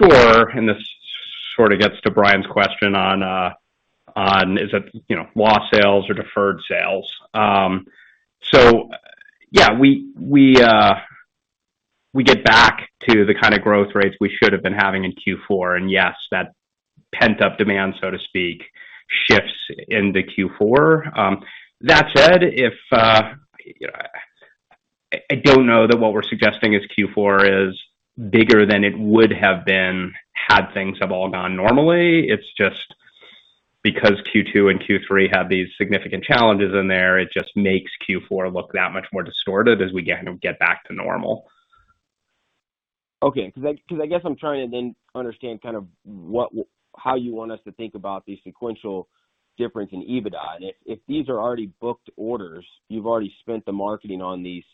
Sure. This sort of gets to Brian's question on is it lost sales or deferred sales? Yeah, we get back to the kind of growth rates we should have been having in Q4. Yes, that pent-up demand, so to speak, shifts into Q4. That said, I don't know that what we're suggesting is Q4 is bigger than it would have been had things have all gone normally. It's just because Q2 and Q3 have these significant challenges in there, it just makes Q4 look that much more distorted as we kind of get back to normal. Okay. Because I guess I'm trying to then understand kind of how you want us to think about the sequential difference in EBITDA. If these are already booked orders, you've already spent the marketing on these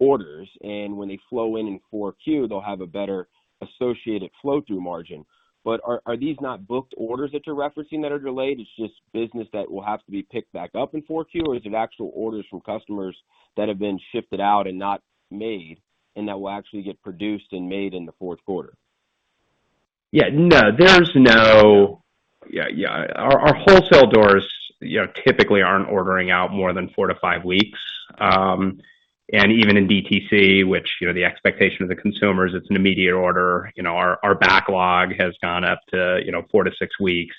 orders, and when they flow in in 4Q, they'll have a better associated flow-through margin. Are these not booked orders that you're referencing that are delayed, it's just business that will have to be picked back up in 4Q, or is it actual orders from customers that have been shifted out and not made and that will actually get produced and made in the fourth quarter? Our wholesale doors typically aren't ordering out more than four to five weeks. Even in DTC, which the expectation of the consumer is it's an immediate order, our backlog has gone up to four to six weeks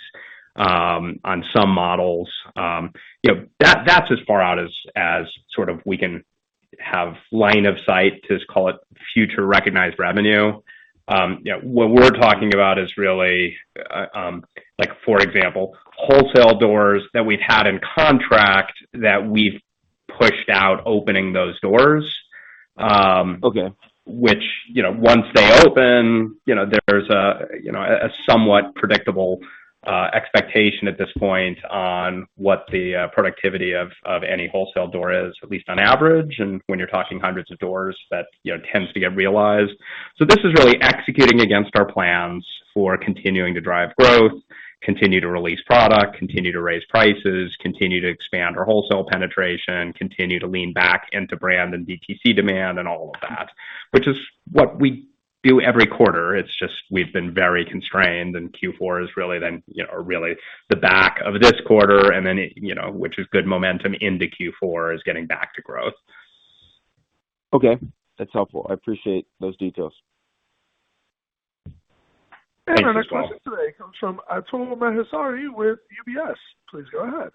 on some models. That's as far out as sort of we can have line of sight to call it future recognized revenue. What we're talking about is really like for example, wholesale doors that we've had in contract that we've pushed out opening those doors. Okay. Which once they open, there's a somewhat predictable expectation at this point on what the productivity of any wholesale door is, at least on average. When you're talking hundreds of doors, that tends to get realized. This is really executing against our plans for continuing to drive growth, continue to release product, continue to raise prices, continue to expand our wholesale penetration, continue to lean back into brand and DTC demand and all of that, which is what we do every quarter. It's just we've been very constrained and Q4 is really the back of this quarter and then which is good momentum into Q4 is getting back to growth. Okay. That's helpful. I appreciate those details. Our next question today comes from Atul Maheswari with UBS. Please go ahead.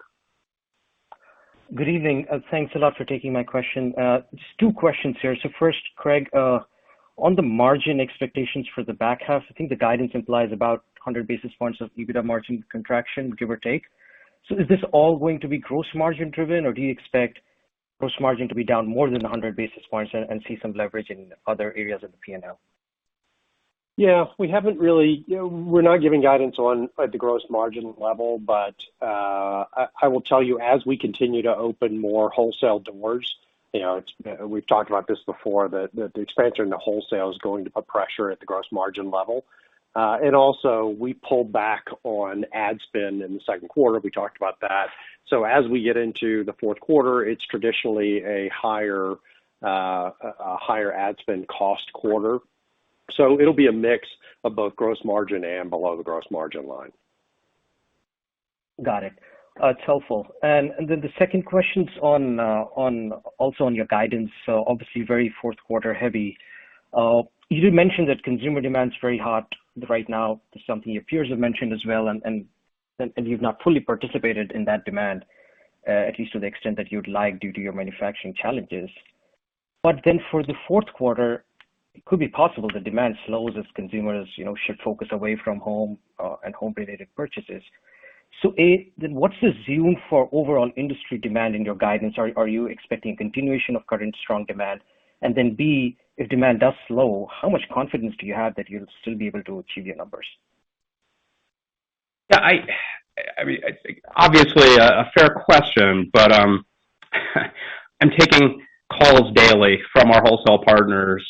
Good evening. Thanks a lot for taking my question. Just two questions here. First, Craig, on the margin expectations for the back half, I think the guidance implies about 100 basis points of EBITDA margin contraction, give or take. Is this all going to be gross margin driven, or do you expect gross margin to be down more than 100 basis points and see some leverage in other areas of the P&L? Yeah. We're not giving guidance on the gross margin level. I will tell you as we continue to open more wholesale doors, we've talked about this before, that the expansion in the wholesale is going to put pressure at the gross margin level. Also, we pulled back on ad spend in the second quarter. We talked about that. As we get into the fourth quarter, it's traditionally a higher ad spend cost quarter. It'll be a mix of both gross margin and below the gross margin line. Got it. It's helpful. The second question's also on your guidance, obviously very fourth quarter heavy. You did mention that consumer demand's very hot right now. It's something your peers have mentioned as well, you've not fully participated in that demand, at least to the extent that you'd like due to your manufacturing challenges. For the fourth quarter, it could be possible the demand slows as consumers shift focus away from home and home related purchases. A, what's the view for overall industry demand in your guidance? Are you expecting continuation of current strong demand? B, if demand does slow, how much confidence do you have that you'll still be able to achieve your numbers? Obviously, a fair question. I'm taking calls daily from our wholesale partners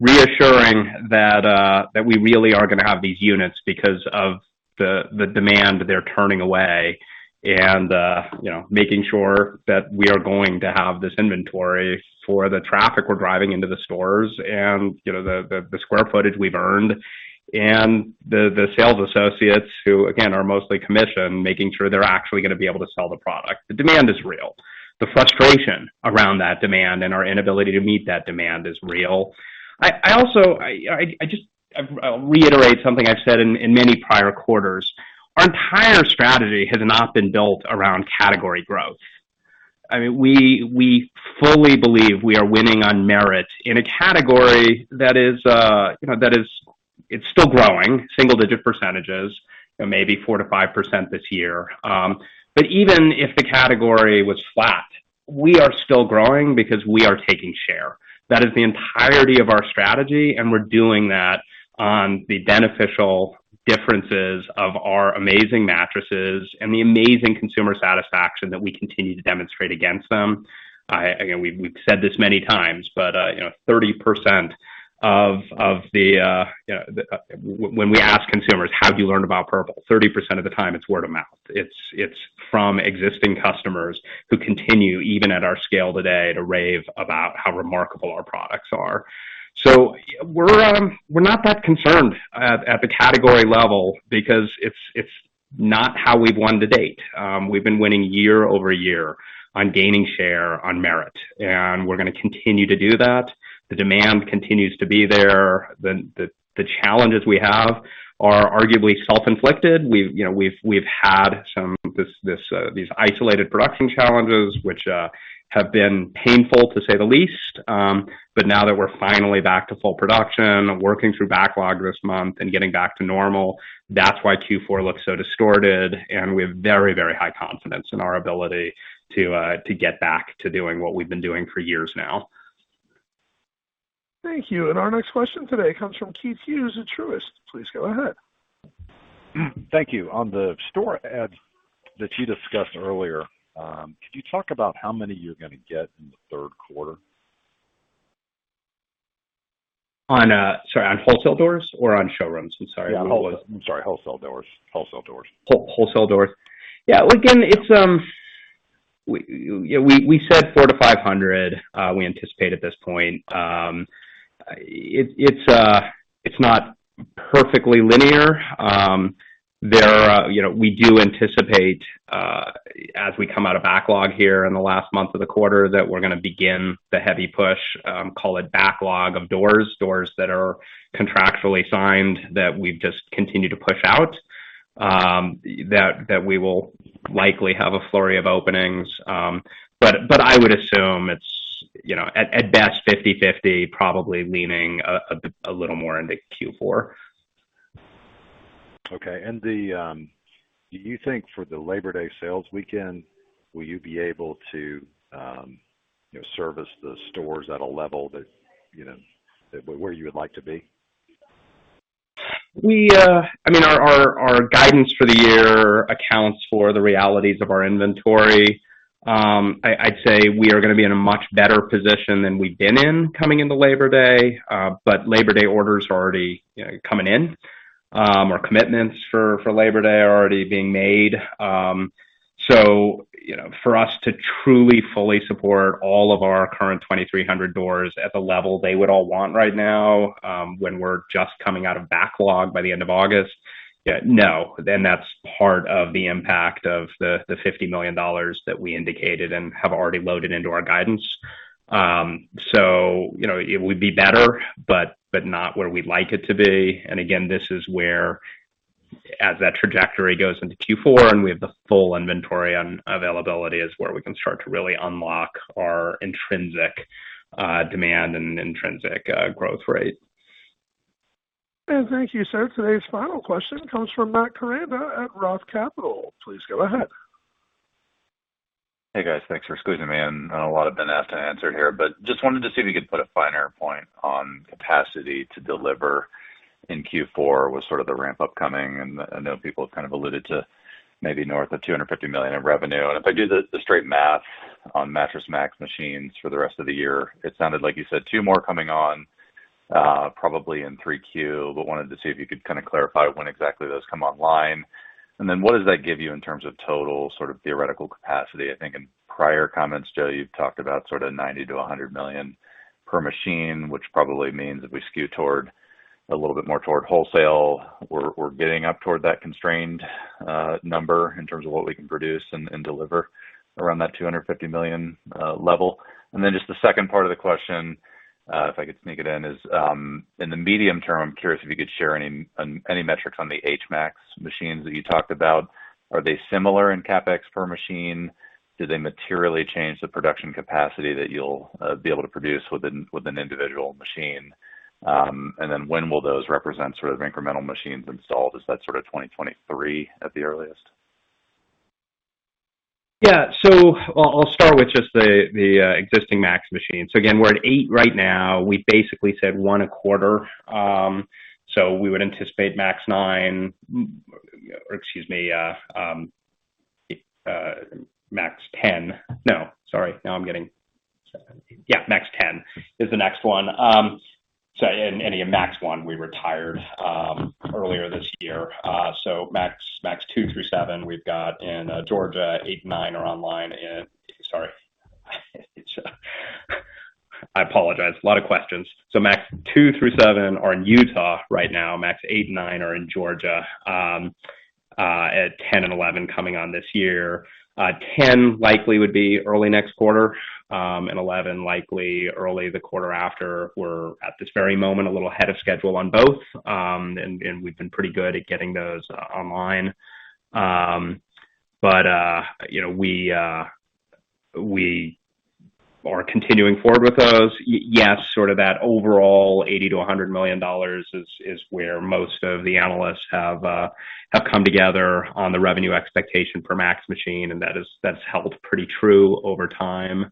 reassuring that we really are going to have these units because of the demand they're turning away, and making sure that we are going to have this inventory for the traffic we're driving into the stores and the square footage we've earned. The sales associates who, again, are mostly commission, making sure they're actually going to be able to sell the product. The demand is real. The frustration around that demand and our inability to meet that demand is real. I'll reiterate something I've said in many prior quarters. Our entire strategy has not been built around category growth. We fully believe we are winning on merit in a category that is still growing, single-digit percentages, maybe 4%-5% this year. Even if the category was flat, we are still growing because we are taking share. That is the entirety of our strategy. We're doing that on the beneficial differences of our amazing mattresses and the amazing consumer satisfaction that we continue to demonstrate against them. Again, we've said this many times, when we ask consumers, "How do you learn about Purple?" 30% of the time, it's word of mouth. It's from existing customers who continue, even at our scale today, to rave about how remarkable our products are. We're not that concerned at the category level because it's not how we've won to date. We've been winning year-over-year on gaining share on merit. We're going to continue to do that. The demand continues to be there. The challenges we have are arguably self-inflicted. We've had these isolated production challenges, which have been painful, to say the least. Now that we're finally back to full production, working through backlog this month, and getting back to normal, that's why Q4 looks so distorted, and we have very high confidence in our ability to get back to doing what we've been doing for years now. Thank you. Our next question today comes from Keith Hughes at Truist. Please go ahead. Thank you. On the store adds that you discussed earlier, could you talk about how many you're going to get in the third quarter? Sorry, on wholesale doors or on showrooms? I'm sorry, I don't know what. Yeah. I'm sorry, wholesale doors. Wholesale doors. Yeah. We said 400-500, we anticipate at this point. It's not perfectly linear. We do anticipate, as we come out of backlog here in the last month of the quarter, that we're going to begin the heavy push, call it backlog of doors that are contractually signed that we've just continued to push out, that we will likely have a flurry of openings. I would assume it's at best 50/50, probably leaning a little more into Q4. Okay. Do you think for the Labor Day sales weekend, will you be able to service the stores at a level where you would like to be? Our guidance for the year accounts for the realities of our inventory. I'd say we are going to be in a much better position than we've been in coming into Labor Day. Labor Day orders are already coming in. Our commitments for Labor Day are already being made. For us to truly fully support all of our current 2,300 doors at the level they would all want right now, when we're just coming out of backlog by the end of August, no. That's part of the impact of the $50 million that we indicated and have already loaded into our guidance. It would be better, but not where we'd like it to be. Again, this is where, as that trajectory goes into Q4 and we have the full inventory and availability, is where we can start to really unlock our intrinsic demand and intrinsic growth rate. Thank you, sir. Today's final question comes from Matt Koranda at ROTH Capital. Please go ahead. Hey, guys, thanks for squeezing me in. A lot have been asked and answered here. Just wanted to see if you could put a finer point on capacity to deliver in Q4 with sort of the ramp-up coming. I know people have kind of alluded to maybe north of $250 million in revenue. If I do the straight math on Mattress Max machines for the rest of the year, it sounded like you said two more coming on, probably in 3Q. Wanted to see if you could kind of clarify when exactly those come online. What does that give you in terms of total theoretical capacity? I think in prior comments, Joe, you've talked about sort of $90 million-$100 million per machine, which probably means if we skew a little bit more toward wholesale, we're getting up toward that constrained number in terms of what we can produce and deliver around that $250 million level. Then just the second part of the question, if I could sneak it in, is in the medium term, I'm curious if you could share any metrics on the HMax machines that you talked about. Are they similar in CapEx per machine? Do they materially change the production capacity that you'll be able to produce with an individual machine? Then when will those represent sort of incremental machines installed? Is that sort of 2023 at the earliest? I'll start with just the existing Max machine. Again, we're at 8 right now. We basically said one a quarter. We would anticipate Max 9 or, excuse me, Max 10. No, sorry. Now I'm getting Max 10 is the next one. Max 1 we retired earlier this year. Max 2 through 7 we've got in Georgia. 8 and 9 are online, sorry. I apologize. A lot of questions. Max 2 through 7 are in Utah right now. Max 8 and 9 are in Georgia, 10 and 11 coming on this year. 10 likely would be early next quarter, 11 likely early the quarter after. We're at this very moment a little ahead of schedule on both, we've been pretty good at getting those online. We are continuing forward with those. Yes, sort of that overall $80 million-$100 million is where most of the analysts have come together on the revenue expectation per Max machine, and that's held pretty true over time.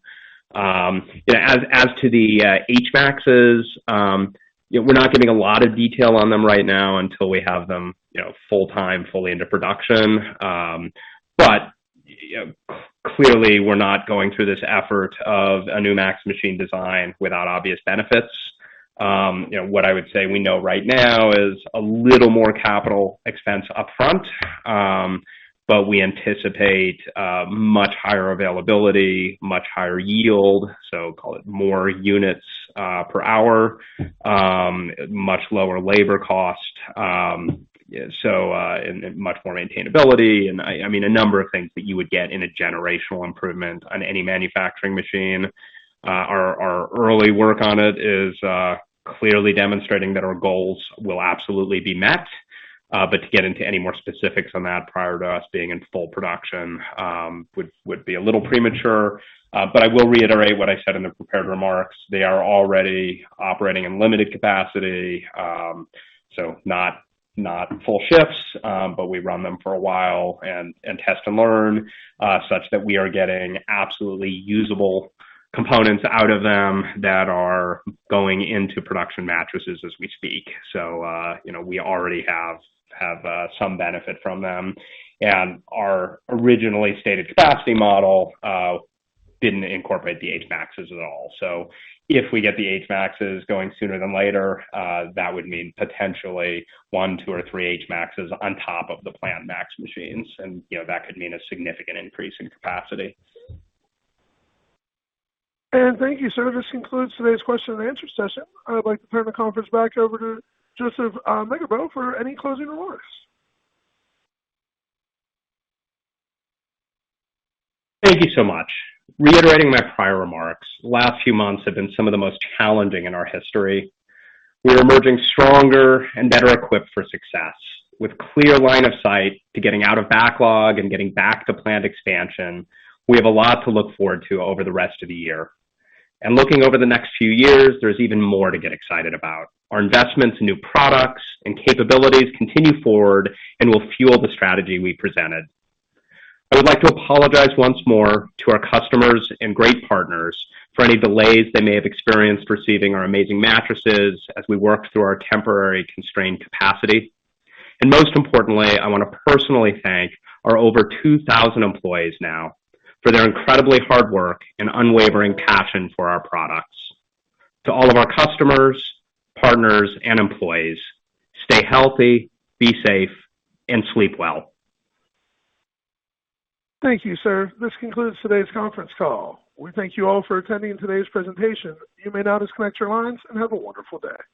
As to the HMaxs, we're not giving a lot of detail on them right now until we have them full-time, fully into production. Clearly we're not going through this effort of a new Max machine design without obvious benefits. What I would say we know right now is a little more capital expense upfront, but we anticipate much higher availability, much higher yield, so call it more units per hour, much lower labor cost, and much more maintainability, and a number of things that you would get in a generational improvement on any manufacturing machine. Our early work on it is clearly demonstrating that our goals will absolutely be met. To get into any more specifics on that prior to us being in full production would be a little premature. I will reiterate what I said in the prepared remarks. They are already operating in limited capacity, so not full shifts, but we run them for a while and test and learn, such that we are getting absolutely usable components out of them that are going into production mattresses as we speak. We already have some benefit from them. Our originally stated capacity model didn't incorporate the HMaxs at all. If we get the HMaxs going sooner than later, that would mean potentially one, two, or three HMaxs on top of the planned Max machines and that could mean a significant increase in capacity. Thank you, sir. This concludes today's question and answer session. I would like to turn the conference back over to Joseph Megibow for any closing remarks. Thank you so much. Reiterating my prior remarks, the last few months have been some of the most challenging in our history. We are emerging stronger and better equipped for success, with clear line of sight to getting out of backlog and getting back to planned expansion. We have a lot to look forward to over the rest of the year. Looking over the next few years, there's even more to get excited about. Our investments in new products and capabilities continue forward and will fuel the strategy we presented. I would like to apologize once more to our customers and great partners for any delays they may have experienced receiving our amazing mattresses as we work through our temporary constrained capacity. Most importantly, I want to personally thank our over 2,000 employees now for their incredibly hard work and unwavering passion for our products. To all of our customers, partners, and employees, stay healthy, be safe, and sleep well. Thank you, sir. This concludes today's conference call. We thank you all for attending today's presentation. You may now disconnect your lines, and have a wonderful day.